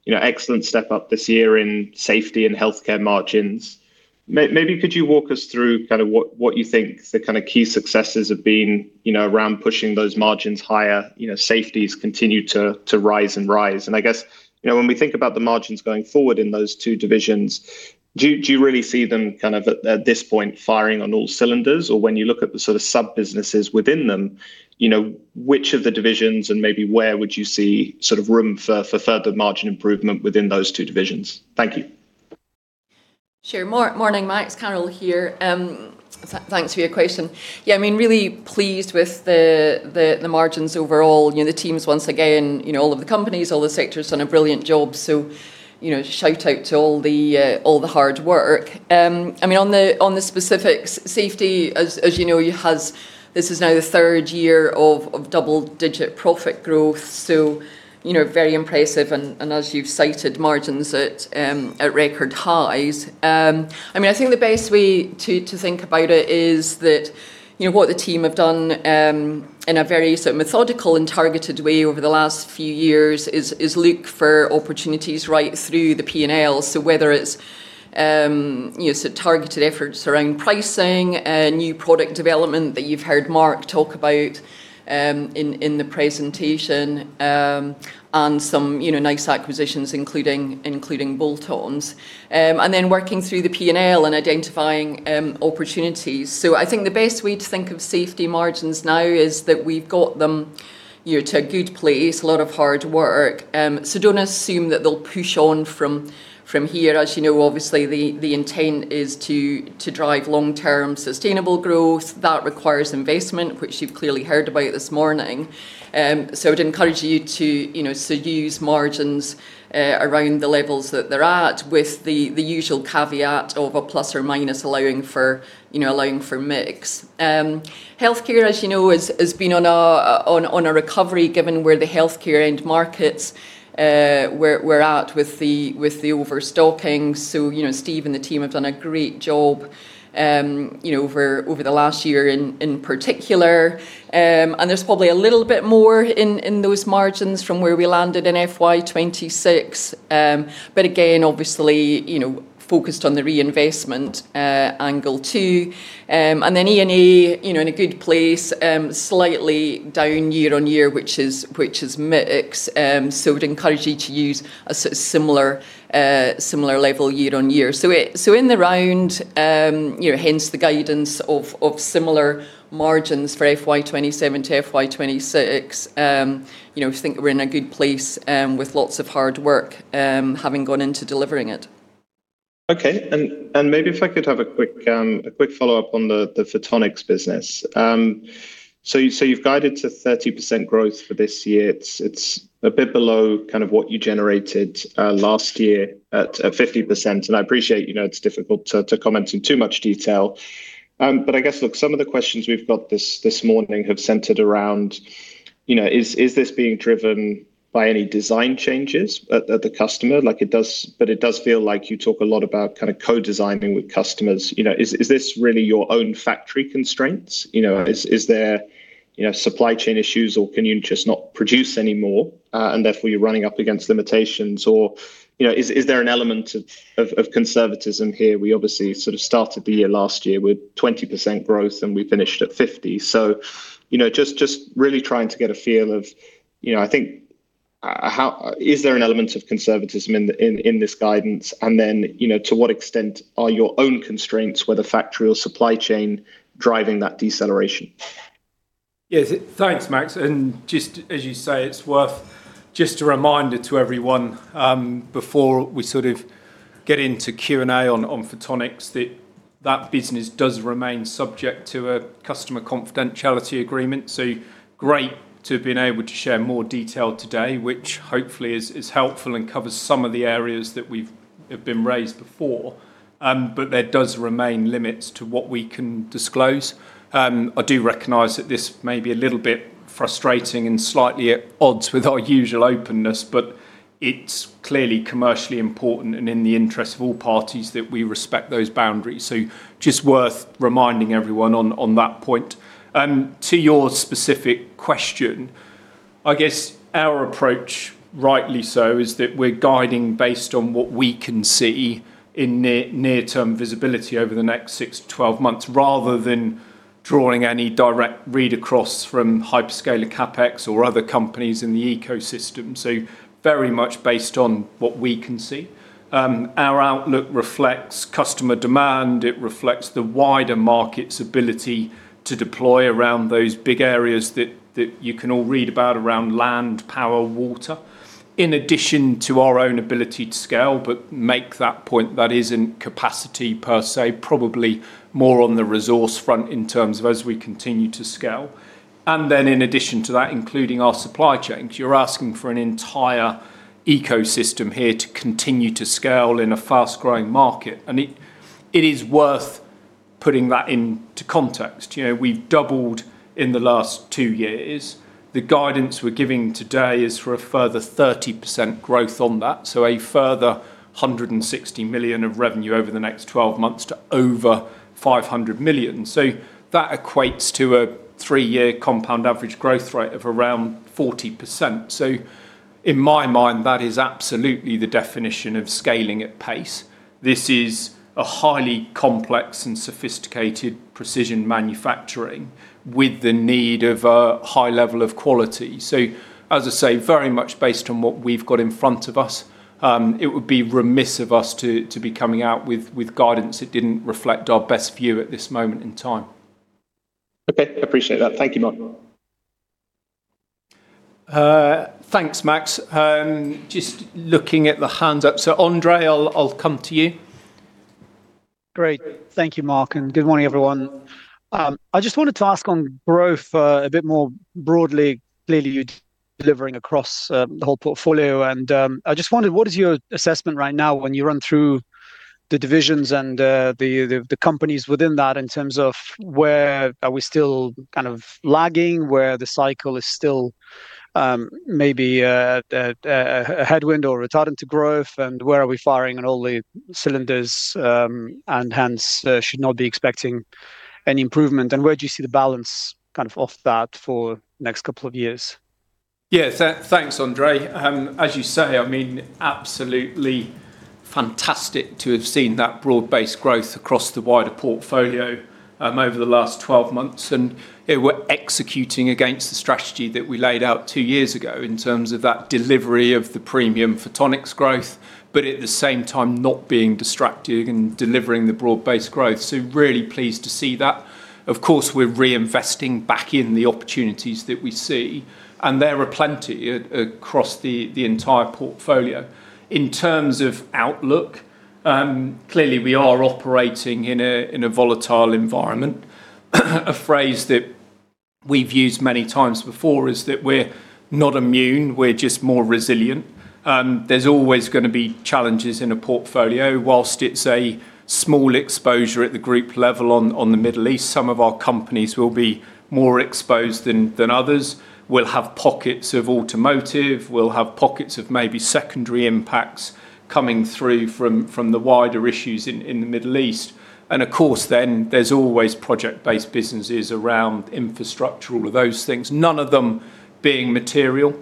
excellent step-up this year in safety and healthcare margins. Maybe could you walk us through what you think the key successes have been around pushing those margins higher? Safety has continued to rise and rise. I guess, when we think about the margins going forward in those two divisions, do you really see them at this point firing on all cylinders? Or when you look at the sub-businesses within them, which of the divisions and maybe where would you see room for further margin improvement within those two divisions? Thank you. Sure. Morning, Max. Carole here. Thanks for your question. Yeah, really pleased with the margins overall. The teams, once again, all of the companies, all the sectors done a brilliant job, shout out to all the hard work. On the specifics, safety, as you know, this is now the third year of double-digit profit growth, very impressive and, as you've cited, margins at record highs. I think the best way to think about it is that what the team have done in a very methodical and targeted way over the last few years is look for opportunities right through the P&L. Whether it's targeted efforts around pricing, new product development that you've heard Marc talk about in the presentation, some nice acquisitions, including bolt-ons. Then working through the P&L and identifying opportunities. I think the best way to think of safety margins now is that we've got them to a good place, a lot of hard work. Don't assume that they'll push on from here. You know, obviously, the intent is to drive long-term sustainable growth that requires investment, which you've clearly heard about this morning. I'd encourage you to use margins around the levels that they're at with the usual caveat of a plus or minus allowing for mix. Healthcare, as you know, has been on a recovery, given where the Healthcare end markets were at with the overstocking. Steve and the team have done a great job over the last year, in particular. There's probably a little bit more in those margins from where we landed in FY 2026. Again, obviously, focused on the reinvestment angle too. E&A, in a good place, slightly down year-on-year, which is mix. Would encourage you to use a similar level year-on-year. In the round, hence the guidance of similar margins for FY 2027 to FY 2026. We think we're in a good place with lots of hard work having gone into delivering it. Okay. Maybe if I could have a quick follow-up on the Photonics business. You've guided to 30% growth for this year. It's a bit below what you generated last year at 50%. I appreciate, it's difficult to comment in too much detail. I guess, look, some of the questions we've got this morning have centered around is this being driven by any design changes at the customer? It does feel like you talk a lot about co-designing with customers. Is this really your own factory constraints? Right. Is there supply chain issues or can you just not produce any more, and therefore you're running up against limitations? Is there an element of conservatism here? We obviously started the year last year with 20% growth, and we finished at 50%. Just really trying to get a feel of, I think, is there an element of conservatism in this guidance? To what extent are your own constraints, whether factory or supply chain, driving that deceleration? Yes. Thanks, Max. Just as you say, it's worth just a reminder to everyone before we get into Q&A on Photonics, that that business does remain subject to a customer confidentiality agreement. Great to have been able to share more detail today, which hopefully is helpful and covers some of the areas that have been raised before. There does remain limits to what we can disclose. I do recognize that this may be a little bit frustrating and slightly at odds with our usual openness, but it's clearly commercially important and in the interest of all parties that we respect those boundaries. Just worth reminding everyone on that point. To your specific question, I guess our approach, rightly so, is that we're guiding based on what we can see in near-term visibility over the next six to 12 months, rather than drawing any direct read across from hyperscaler CapEx or other companies in the ecosystem. Very much based on what we can see. Our outlook reflects customer demand. It reflects the wider market's ability to deploy around those big areas that you can all read about around land, power, water, in addition to our own ability to scale, but make that point that isn't capacity per se, probably more on the resource front in terms of as we continue to scale. Then in addition to that, including our supply chains, you're asking for an entire ecosystem here to continue to scale in a fast-growing market. It is worth putting that into context. We've doubled in the last two years. The guidance we're giving today is for a further 30% growth on that, a further 160 million of revenue over the next 12 months to over 500 million. That equates to a three-year compound average growth rate of around 40%. In my mind, that is absolutely the definition of scaling at pace. This is a highly complex and sophisticated precision manufacturing with the need of a high level of quality. As I say, very much based on what we've got in front of us, it would be remiss of us to be coming out with guidance that didn't reflect our best view at this moment in time. Okay. Appreciate that. Thank you, Marc. Thanks, Max. Just looking at the hands up. Andre, I'll come to you. Great. Thank you, Marc, good morning, everyone. I just wanted to ask on growth a bit more broadly. Clearly, you're delivering across the whole portfolio, I just wondered what is your assessment right now when you run through the divisions and the companies within that in terms of where are we still lagging, where the cycle is still maybe a headwind or a retardant to growth, where are we firing on all the cylinders, hence should not be expecting any improvement? Where do you see the balance of that for next couple of years? Yeah. Thanks, Andre. As you say, absolutely Fantastic to have seen that broad-based growth across the wider portfolio over the last 12 months. We're executing against the strategy that we laid out two years ago in terms of that delivery of the premium Photonics growth, at the same time, not being distracted delivering the broad-based growth. Really pleased to see that. Of course, we're reinvesting back in the opportunities that we see, there are plenty across the entire portfolio. In terms of outlook, clearly we are operating in a volatile environment. A phrase that we've used many times before is that we're not immune, we're just more resilient. There's always going to be challenges in a portfolio. Whilst it's a small exposure at the group level on the Middle East, some of our companies will be more exposed than others. We'll have pockets of automotive, we'll have pockets of maybe secondary impacts coming through from the wider issues in the Middle East. Of course, there's always project-based businesses around infrastructure, all of those things, none of them being material.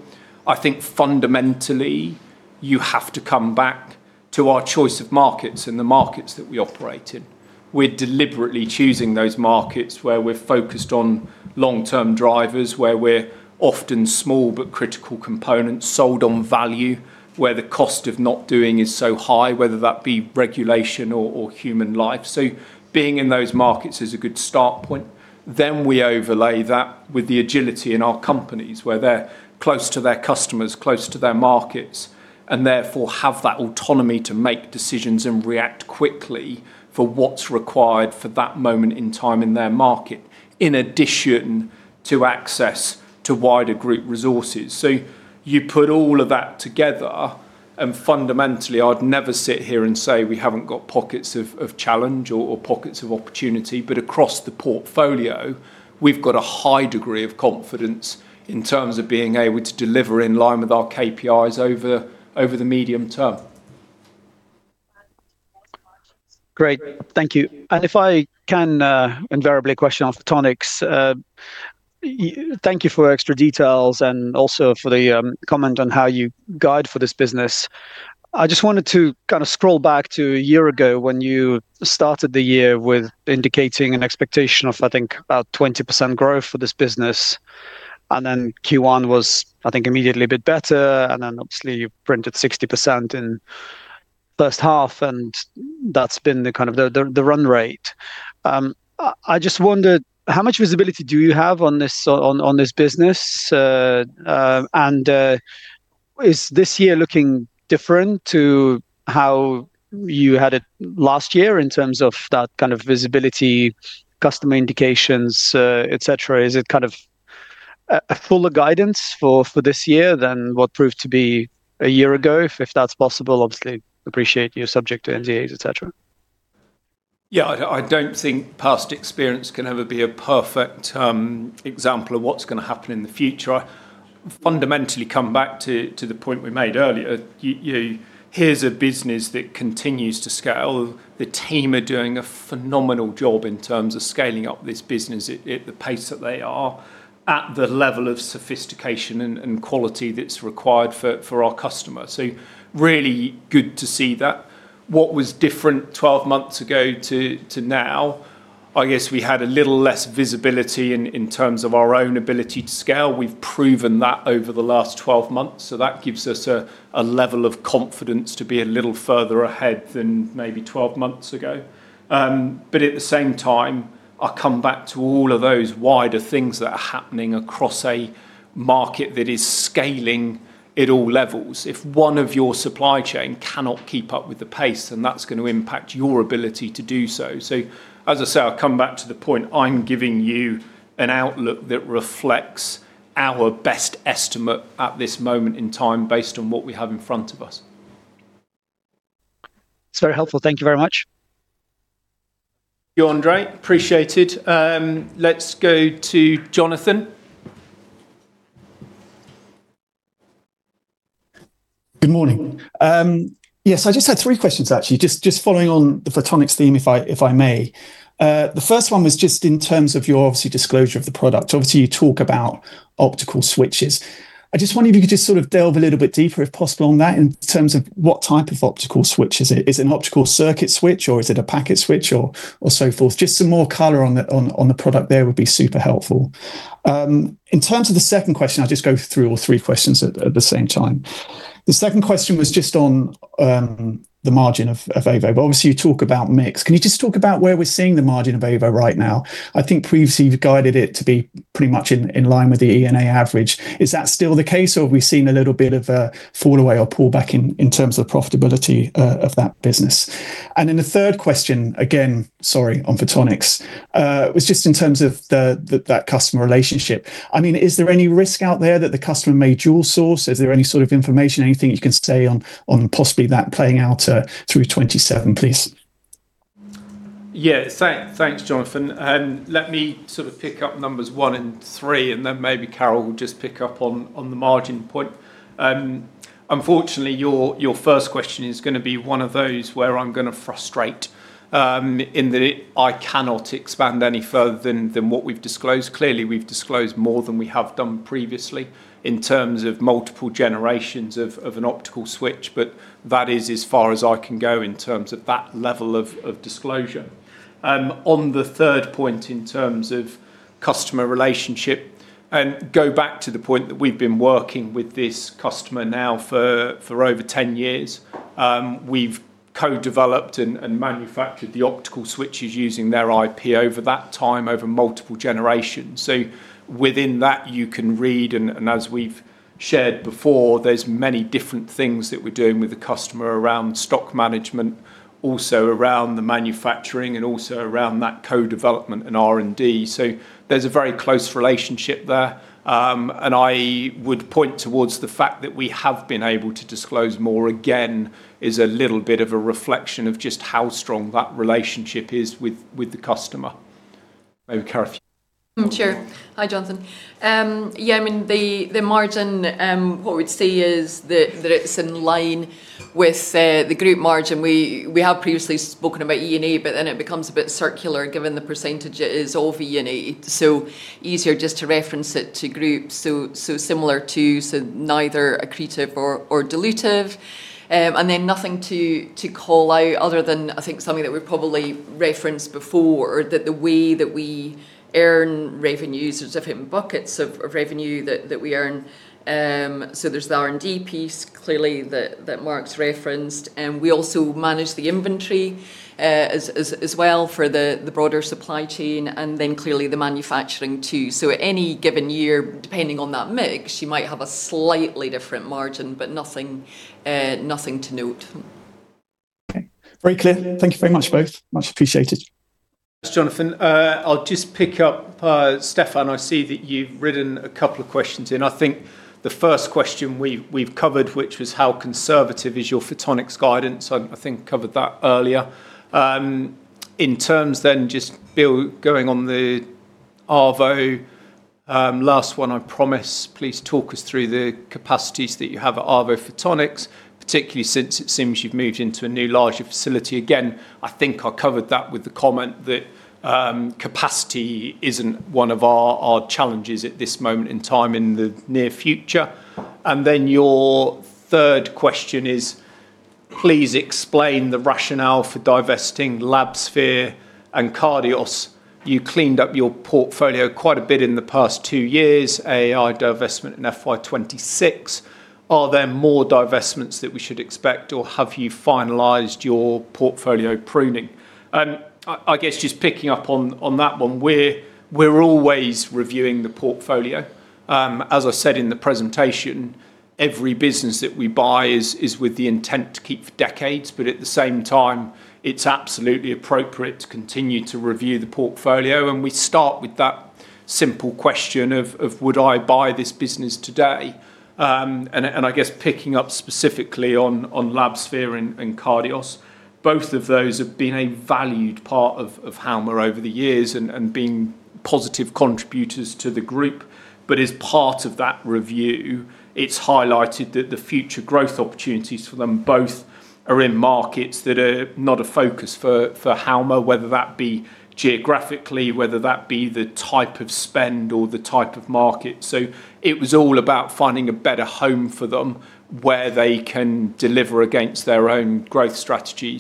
I think fundamentally, you have to come back to our choice of markets and the markets that we operate in. We're deliberately choosing those markets where we're focused on long-term drivers, where we're often small but critical components sold on value, where the cost of not doing is so high, whether that be regulation or human life. Being in those markets is a good start point. We overlay that with the agility in our companies, where they're close to their customers, close to their markets, and therefore have that autonomy to make decisions and react quickly for what's required for that moment in time in their market, in addition to access to wider group resources. You put all of that together, fundamentally, I'd never sit here and say we haven't got pockets of challenge or pockets of opportunity. Across the portfolio, we've got a high degree of confidence in terms of being able to deliver in line with our KPIs over the medium term. Great. Thank you. If I can, invariably a question on Photonics. Thank you for extra details and also for the comment on how you guide for this business. I just wanted to scroll back to a year ago when you started the year with indicating an expectation of, I think, about 20% growth for this business. Then Q1 was, I think, immediately a bit better. Then obviously you printed 60% in first half, and that's been the run rate. I just wondered, how much visibility do you have on this business? Is this year looking different to how you had it last year in terms of that kind of visibility, customer indications, et cetera? Is it a fuller guidance for this year than what proved to be a year ago, if that's possible? Obviously, appreciate you're subject to NDAs, et cetera. Yeah, I don't think past experience can ever be a perfect example of what's going to happen in the future. I fundamentally come back to the point we made earlier. Here's a business that continues to scale. The team are doing a phenomenal job in terms of scaling up this business at the pace that they are, at the level of sophistication and quality that's required for our customers. Really good to see that. What was different 12 months ago to now, I guess we had a little less visibility in terms of our own ability to scale. We've proven that over the last 12 months, that gives us a level of confidence to be a little further ahead than maybe 12 months ago. At the same time, I come back to all of those wider things that are happening across a market that is scaling at all levels. If one of your supply chain cannot keep up with the pace, then that's going to impact your ability to do so. As I say, I come back to the point, I'm giving you an outlook that reflects our best estimate at this moment in time based on what we have in front of us. It's very helpful. Thank you very much. You're Andre. Appreciated. Let's go to Jonathan. Good morning. Yes, I just had three questions, actually. Just following on the Photonics theme, if I may. The first one was just in terms of your, obviously, disclosure of the product. Obviously, you talk about optical switches. I just wonder if you could just delve a little bit deeper, if possible, on that in terms of what type of optical switch is it. Is it an optical circuit switch, or is it a packet switch or so forth? Just some more color on the product there would be super helpful. In terms of the second question, I'll just go through all three questions at the same time. The second question was just on the margin of Avo, obviously you talk about mix. Can you just talk about where we're seeing the margin of Avo right now? I think previously you've guided it to be pretty much in line with the E&A average. Is that still the case, or have we seen a little bit of a fall away or pull back in terms of profitability of that business? The third question, again, sorry, on Photonics, was just in terms of that customer relationship. Is there any risk out there that the customer may dual source? Is there any sort of information, anything you can say on possibly that playing out through 2027, please? Yeah. Thanks, Jonathan. Let me pick up numbers one and three. Maybe Carole will just pick up on the margin point. Unfortunately, your first question is going to be one of those where I'm going to frustrate, in that I cannot expand any further than what we've disclosed. Clearly, we've disclosed more than we have done previously in terms of multiple generations of an optical switch, but that is as far as I can go in terms of that level of disclosure. On the third point, in terms of customer relationship, go back to the point that we've been working with this customer now for over 10 years. We've co-developed and manufactured the optical switches using their IP over that time over multiple generations. Within that, you can read, and as we've shared before, there's many different things that we're doing with the customer around stock management, also around the manufacturing, and also around that co-development and R&D. There's a very close relationship there. I would point towards the fact that we have been able to disclose more, again, is a little bit of a reflection of just how strong that relationship is with the customer. Maybe Carole, you want to- Sure. Hi, Jonathan. Yeah, the margin, what we'd say is that it's in line with the group margin. We have previously spoken about E&A, but then it becomes a bit circular given the percentage it is of E&A, easier just to reference it to group, similar to, neither accretive or dilutive. Nothing to call out other than I think something that we've probably referenced before, that the way that we earn revenues, there's different buckets of revenue that we earn. There's the R&D piece, clearly, that Marc's referenced. We also manage the inventory as well for the broader supply chain, and then clearly the manufacturing too. At any given year, depending on that mix, you might have a slightly different margin, but nothing to note. Okay. Very clear. Thank you very much, both. Much appreciated. Thanks, Jonathan. I'll just pick up, Stefan, I see that you've written a couple of questions in. I think the first question we've covered, which was how conservative is your Photonics guidance? I think covered that earlier. In terms then just Bill going on the Avo, last one, I promise. Please talk us through the capacities that you have at Avo Photonics, particularly since it seems you've moved into a new larger facility. Again, I think I covered that with the comment that capacity isn't one of our challenges at this moment in time in the near future. Your third question is, please explain the rationale for divesting Labsphere and Cardios. You cleaned up your portfolio quite a bit in the past two years, AAI divestment in FY 2026. Are there more divestments that we should expect, or have you finalized your portfolio pruning? I guess just picking up on that one. We're always reviewing the portfolio. As I said in the presentation, every business that we buy is with the intent to keep for decades, but at the same time, it's absolutely appropriate to continue to review the portfolio. We start with that simple question of, would I buy this business today? I guess picking up specifically on Labsphere and Cardios, both of those have been a valued part of Halma over the years and been positive contributors to the group. As part of that review, it's highlighted that the future growth opportunities for them both are in markets that are not a focus for Halma, whether that be geographically, whether that be the type of spend or the type of market. It was all about finding a better home for them where they can deliver against their own growth strategy.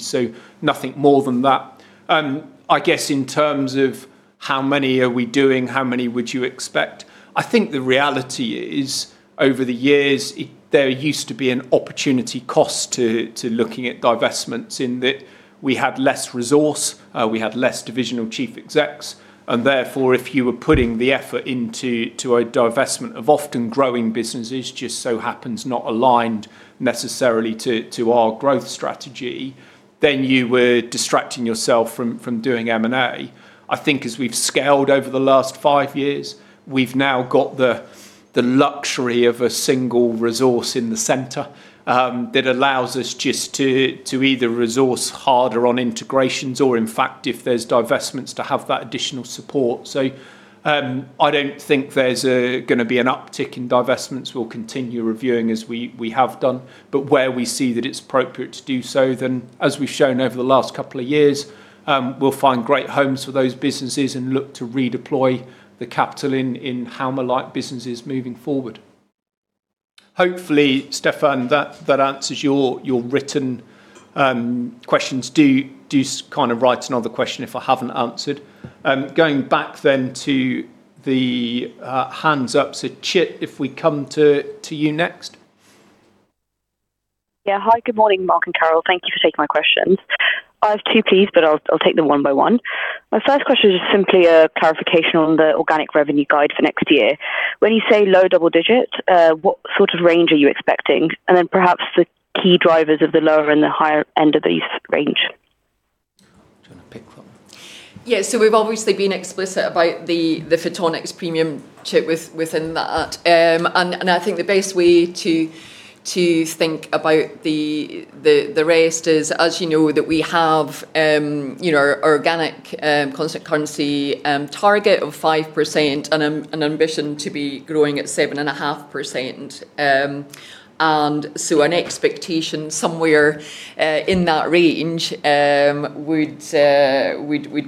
Nothing more than that. I guess in terms of how many are we doing, how many would you expect? I think the reality is over the years, there used to be an opportunity cost to looking at divestments in that we had less resource, we had less divisional chief execs, and therefore, if you were putting the effort into a divestment of often growing businesses, just so happens not aligned necessarily to our growth strategy, then you were distracting yourself from doing M&A. I think as we've scaled over the last five years, we've now got the luxury of a single resource in the center that allows us just to either resource harder on integrations or, in fact, if there's divestments, to have that additional support. I don't think there's going to be an uptick in divestments. We'll continue reviewing as we have done. Where we see that it's appropriate to do so, then, as we've shown over the last couple of years, we'll find great homes for those businesses and look to redeploy the capital in Halma-like businesses moving forward. Hopefully, Stefan, that answers your written questions. Do write another question if I haven't answered. Going back then to the hands up. Chit, if we come to you next. Hi, good morning, Marc and Carole. Thank you for taking my questions. I have two, please, but I'll take them one by one. My first question is just simply a clarification on the organic revenue guide for next year. When you say low double digits, what sort of range are you expecting? Then perhaps the key drivers of the lower and the higher end of this range. Do you want to pick that one? We've obviously been explicit about the Photonics premium chip within that. I think the best way to think about the rest is, as you know, that we have our organic constant currency target of 5% and an ambition to be growing at 7.5%. An expectation somewhere in that range would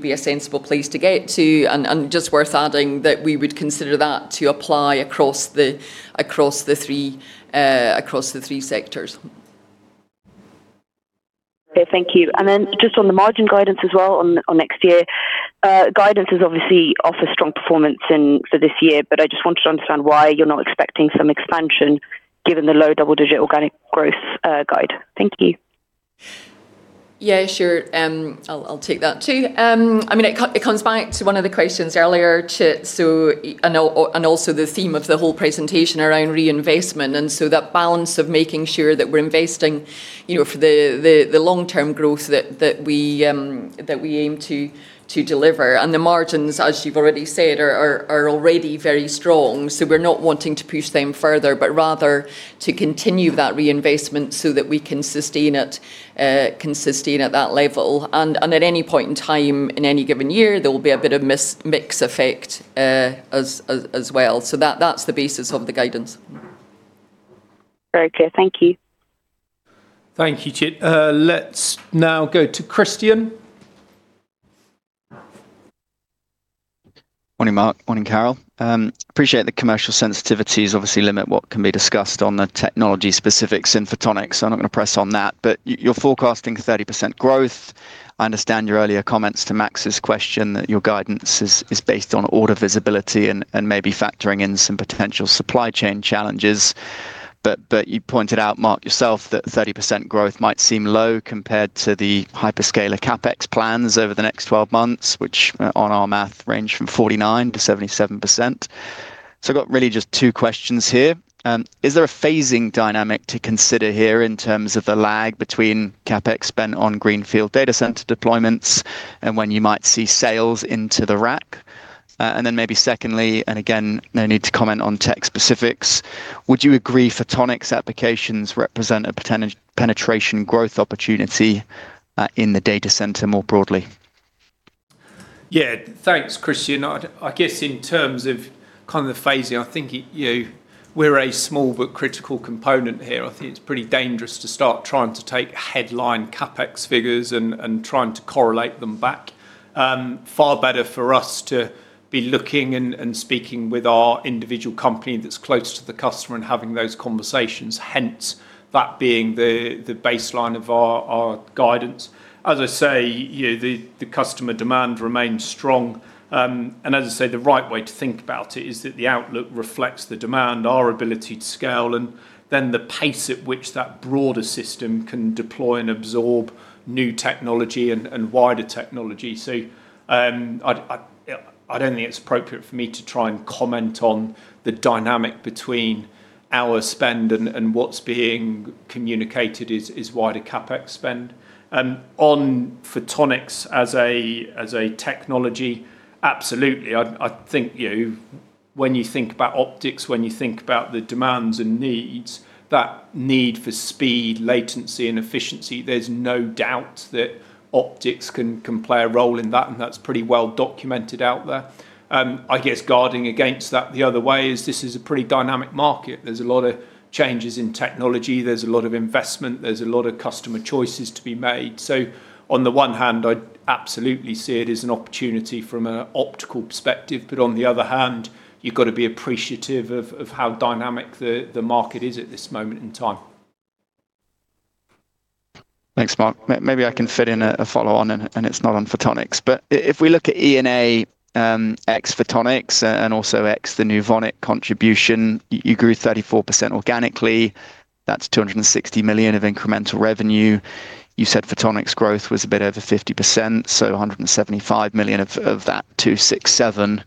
be a sensible place to get to. Just worth adding that we would consider that to apply across the three sectors. Okay, thank you. Just on the margin guidance as well on next year, guidance is obviously off a strong performance for this year. I just wanted to understand why you're not expecting some expansion given the low double-digit organic growth guide. Thank you. Yeah, sure. I'll take that too. It comes back to one of the questions earlier too, also the theme of the whole presentation around reinvestment, that balance of making sure that we're investing for the long-term growth that we aim to deliver. The margins, as you've already said, are already very strong. We're not wanting to push them further, but rather to continue that reinvestment so that we can sustain at that level. At any point in time, in any given year, there will be a bit of mix effect as well. That's the basis of the guidance. Very clear. Thank you. Thank you, Chit. Let's now go to Christian. Morning, Marc. Morning, Carole. Appreciate the commercial sensitivities obviously limit what can be discussed on the technology specifics in Photonics. I'm not going to press on that. You're forecasting 30% growth. I understand your earlier comments to Max's question that your guidance is based on order visibility and maybe factoring in some potential supply chain challenges. You pointed out, Marc, yourself, that 30% growth might seem low compared to the hyperscaler CapEx plans over the next 12 months, which on our math range from 49%-77%. I've got really just two questions here. Is there a phasing dynamic to consider here in terms of the lag between CapEx spent on greenfield data center deployments and when you might see sales into the rack? Maybe secondly, and again, no need to comment on tech specifics, would you agree Photonics applications represent a penetration growth opportunity in the data center more broadly? Thanks, Christian. I guess in terms of kind of the phasing, I think we're a small but critical component here. I think it's pretty dangerous to start trying to take headline CapEx figures and trying to correlate them back. Far better for us to be looking and speaking with our individual company that's close to the customer and having those conversations, hence that being the baseline of our guidance. As I say, the customer demand remains strong. As I say, the right way to think about it is that the outlook reflects the demand, our ability to scale, and the pace at which that broader system can deploy and absorb new technology and wider technology. I don't think it's appropriate for me to try and comment on the dynamic between our spend and what's being communicated is wider CapEx spend. On Photonics as a technology, absolutely. I think when you think about optics, when you think about the demands and needs, that need for speed, latency, and efficiency, there's no doubt that optics can play a role in that, and that's pretty well documented out there. I guess guarding against that the other way is this is a pretty dynamic market. There's a lot of changes in technology. There's a lot of investment. There's a lot of customer choices to be made. On the one hand, I absolutely see it as an opportunity from an optical perspective. On the other hand, you've got to be appreciative of how dynamic the market is at this moment in time. Thanks, Marc. Maybe I can fit in a follow-on, and it is not on Photonics. If we look at E&A, ex-Photonics, and also ex the Nuvonic contribution, you grew 34% organically. That is 260 million of incremental revenue. You said Photonics growth was a bit over 50%, so 175 million of that, 267.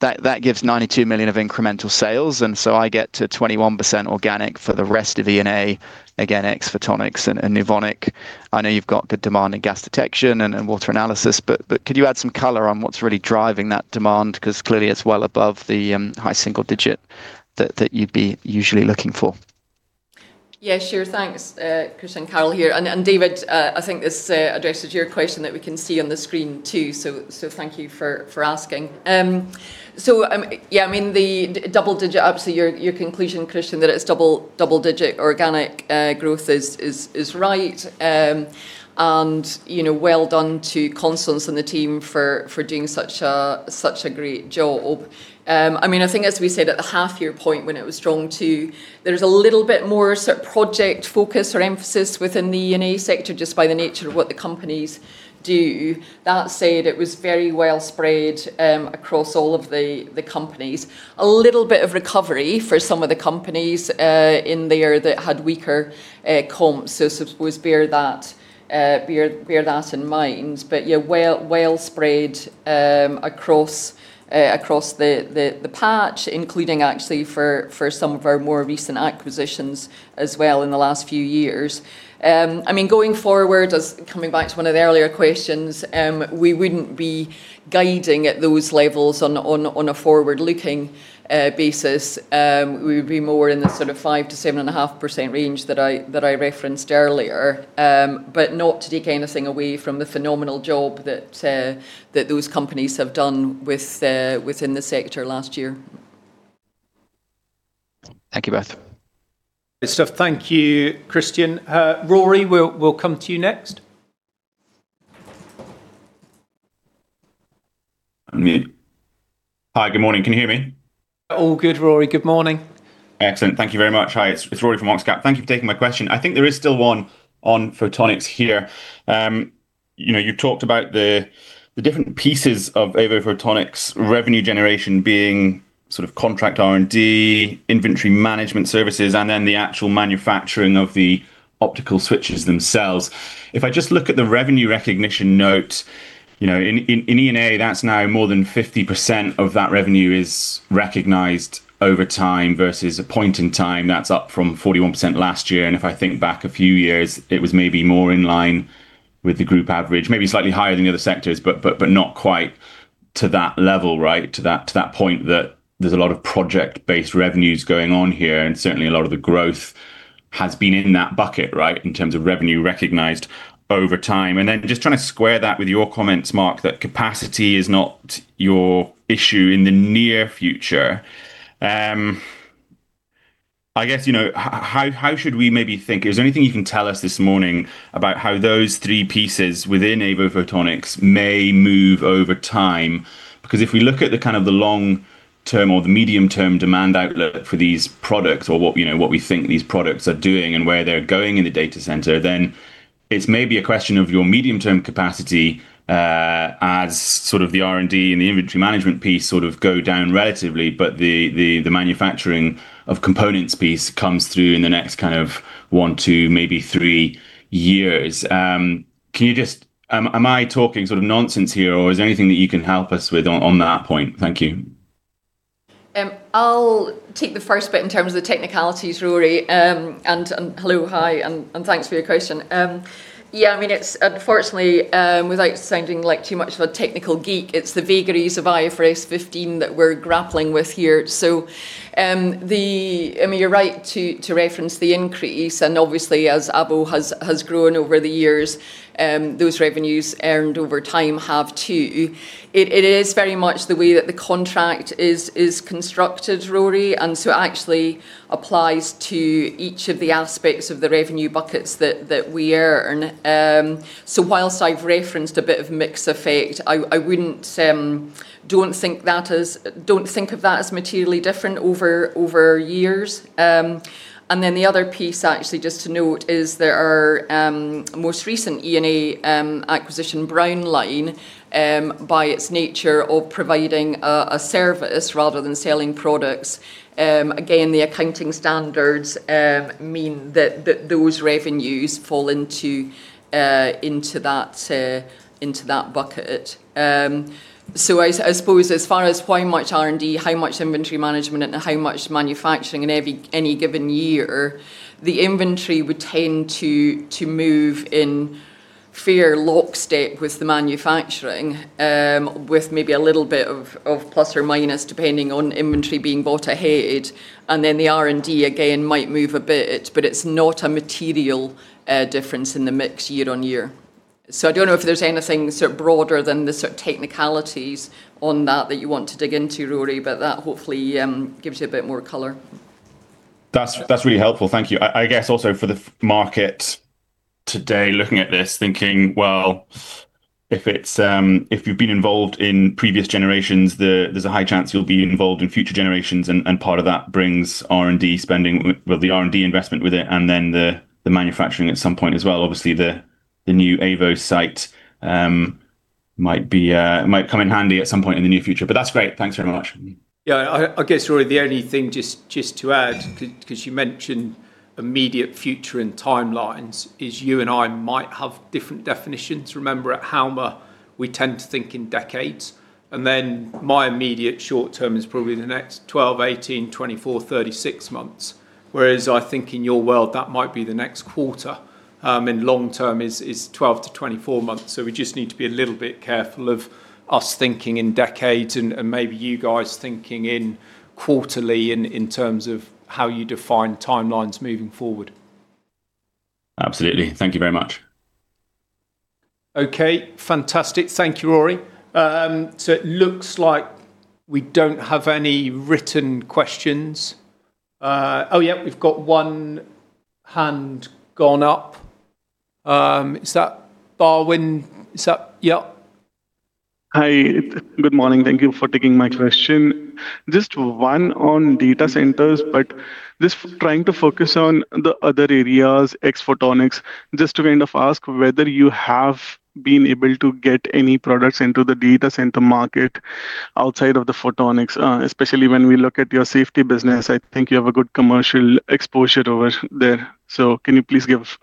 That gives 92 million of incremental sales. I get to 21% organic for the rest of E&A. Again, ex-Photonics and Nuvonic. I know you have good demand in gas detection and water analysis, but could you add some color on what is really driving that demand? Because clearly it is well above the high single-digit that you would be usually looking for. Yeah, sure. Thanks, Christian. Carole here. David, I think this addresses your question that we can see on the screen, too. Thank you for asking. Your conclusion, Christian, that it is double-digit organic growth is right. Well done to Constance and the team for doing such a great job. I think as we said at the half-year point when it was strong too, there is a little bit more project focus or emphasis within the E&A sector just by the nature of what the companies do. That said, it was very well spread across all of the companies. A little bit of recovery for some of the companies in there that had weaker comps. I suppose bear that in mind. Well spread across the patch, including actually for some of our more recent acquisitions as well in the last few years. Going forward, coming back to one of the earlier questions, we would not be guiding at those levels on a forward-looking basis. We would be more in the sort of 5%-7.5% range that I referenced earlier. Not to take anything away from the phenomenal job that those companies have done within the sector last year. Thank you both. Good stuff. Thank you, Christian. Rory, we'll come to you next. Unmute. Hi, good morning. Can you hear me? All good, Rory. Good morning. Excellent. Thank you very much. Hi, it's Rory from Oxcap. Thank you for taking my question. I think there is still one on Photonics here. You've talked about the different pieces of Avo Photonics revenue generation being contract R&D, inventory management services, and then the actual manufacturing of the optical switches themselves. If I just look at the revenue recognition note, in E&A, that's now more than 50% of that revenue is recognized over time versus a point in time. That's up from 41% last year. If I think back a few years, it was maybe more in line with the group average, maybe slightly higher than the other sectors, but not quite to that level, right? To that point that there's a lot of project-based revenues going on here. Certainly a lot of the growth has been in that bucket, right, in terms of revenue recognized over time. Just trying to square that with your comments, Marc, that capacity is not your issue in the near future. I guess, how should we maybe think? Is there anything you can tell us this morning about how those three pieces within Avo Photonics may move over time? If we look at the long-term or the medium-term demand outlook for these products or what we think these products are doing and where they're going in the data center, then it's maybe a question of your medium-term capacity as the R&D and the inventory management piece go down relatively, but the manufacturing of components piece comes through in the next one, two, maybe three years. Am I talking nonsense here, or is there anything that you can help us with on that point? Thank you. I'll take the first bit in terms of the technicalities, Rory. Hello, hi, and thanks for your question. Yeah, it's unfortunately, without sounding like too much of a technical geek, it's the vagaries of IFRS 15 that we're grappling with here. You're right to reference the increase, and obviously, as Avo has grown over the years, those revenues earned over time have, too. It is very much the way that the contract is constructed, Rory, and so it actually applies to each of the aspects of the revenue buckets that we earn. Whilst I've referenced a bit of mix effect, I don't think of that as materially different over years. The other piece actually just to note is that our most recent E&A acquisition, Brownline, by its nature of providing a service rather than selling products, again, the accounting standards mean that those revenues fall into that bucket. I suppose as far as how much R&D, how much inventory management, and how much manufacturing in any given year, the inventory would tend to move in fair lockstep with the manufacturing, with maybe a little bit of plus or minus depending on inventory being bought ahead. The R&D, again, might move a bit, but it's not a material difference in the mix year on year. I don't know if there's anything broader than the technicalities on that that you want to dig into, Rory, but that hopefully gives you a bit more color. That's really helpful. Thank you. I guess also for the market today, looking at this, thinking, well, if you've been involved in previous generations, there's a high chance you'll be involved in future generations, and part of that brings R&D investment with it and then the manufacturing at some point as well. Obviously, the new AVO site might come in handy at some point in the near future. That's great. Thanks very much. Yeah. I guess, Rory, the only thing just to add, because you mentioned immediate future and timelines, is you and I might have different definitions. Remember, at Halma, we tend to think in decades, and my immediate short term is probably the next 12, 18, 24, 36 months. Whereas I think in your world, that might be the next quarter, and long term is 12 to 24 months. We just need to be a little bit careful of us thinking in decades and maybe you guys thinking in quarterly in terms of how you define timelines moving forward. Absolutely. Thank you very much. Okay. Fantastic. Thank you, Rory. It looks like we don't have any written questions. Oh, yep, we've got one hand gone up. Is that Barwin? Yep. Hi. Good morning. Thank you for taking my question. One on data centers, but just trying to focus on the other areas, ex-Photonics, just to ask whether you have been able to get any products into the data center market outside of the Photonics, especially when we look at your safety business. I think you have a good commercial exposure over there. Can you please give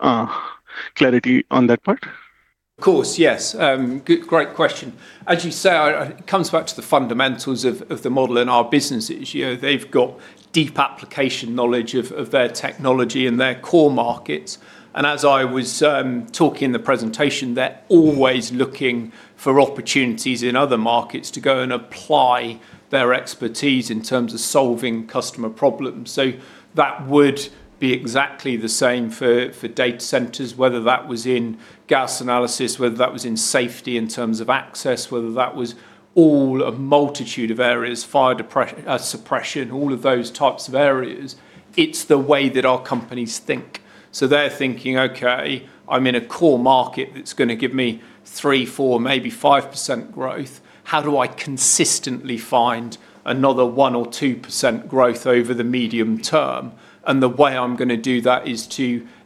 clarity on that part? Of course, yes. Great question. As you say, it comes back to the fundamentals of the model in our businesses. They've got deep application knowledge of their technology and their core markets. As I was talking in the presentation, they're always looking for opportunities in other markets to go and apply their expertise in terms of solving customer problems. That would be exactly the same for data centers, whether that was in gas analysis, whether that was in safety in terms of access, whether that was all a multitude of areas, fire suppression, all of those types of areas. It's the way that our companies think. They're thinking, "Okay, I'm in a core market that's going to give me 3%, 4%, maybe 5% growth. How do I consistently find another 1% or 2% growth over the medium term? The way I'm going to do that is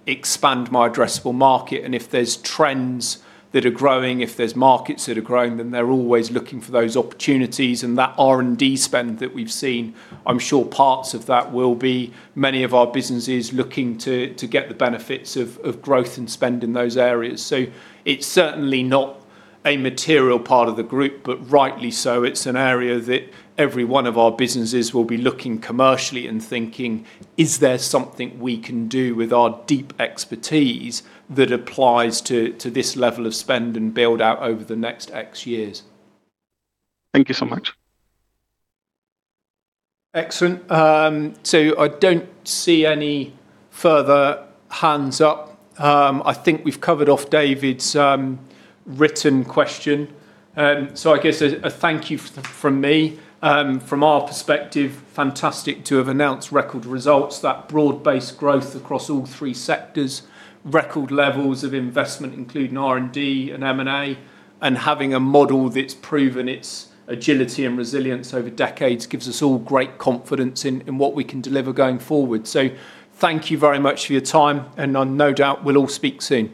to expand my addressable market." If there's trends that are growing, if there's markets that are growing, they're always looking for those opportunities. That R&D spend that we've seen, I'm sure parts of that will be many of our businesses looking to get the benefits of growth and spend in those areas. It's certainly not a material part of the group, but rightly so. It's an area that every one of our businesses will be looking commercially and thinking, "Is there something we can do with our deep expertise that applies to this level of spend and build out over the next X years? Thank you so much. Excellent. I don't see any further hands up. I think we've covered off David's written question. I guess a thank you from me. From our perspective, fantastic to have announced record results, that broad-based growth across all three sectors, record levels of investment, including R&D and M&A, and having a model that's proven its agility and resilience over decades gives us all great confidence in what we can deliver going forward. Thank you very much for your time, and no doubt we'll all speak soon.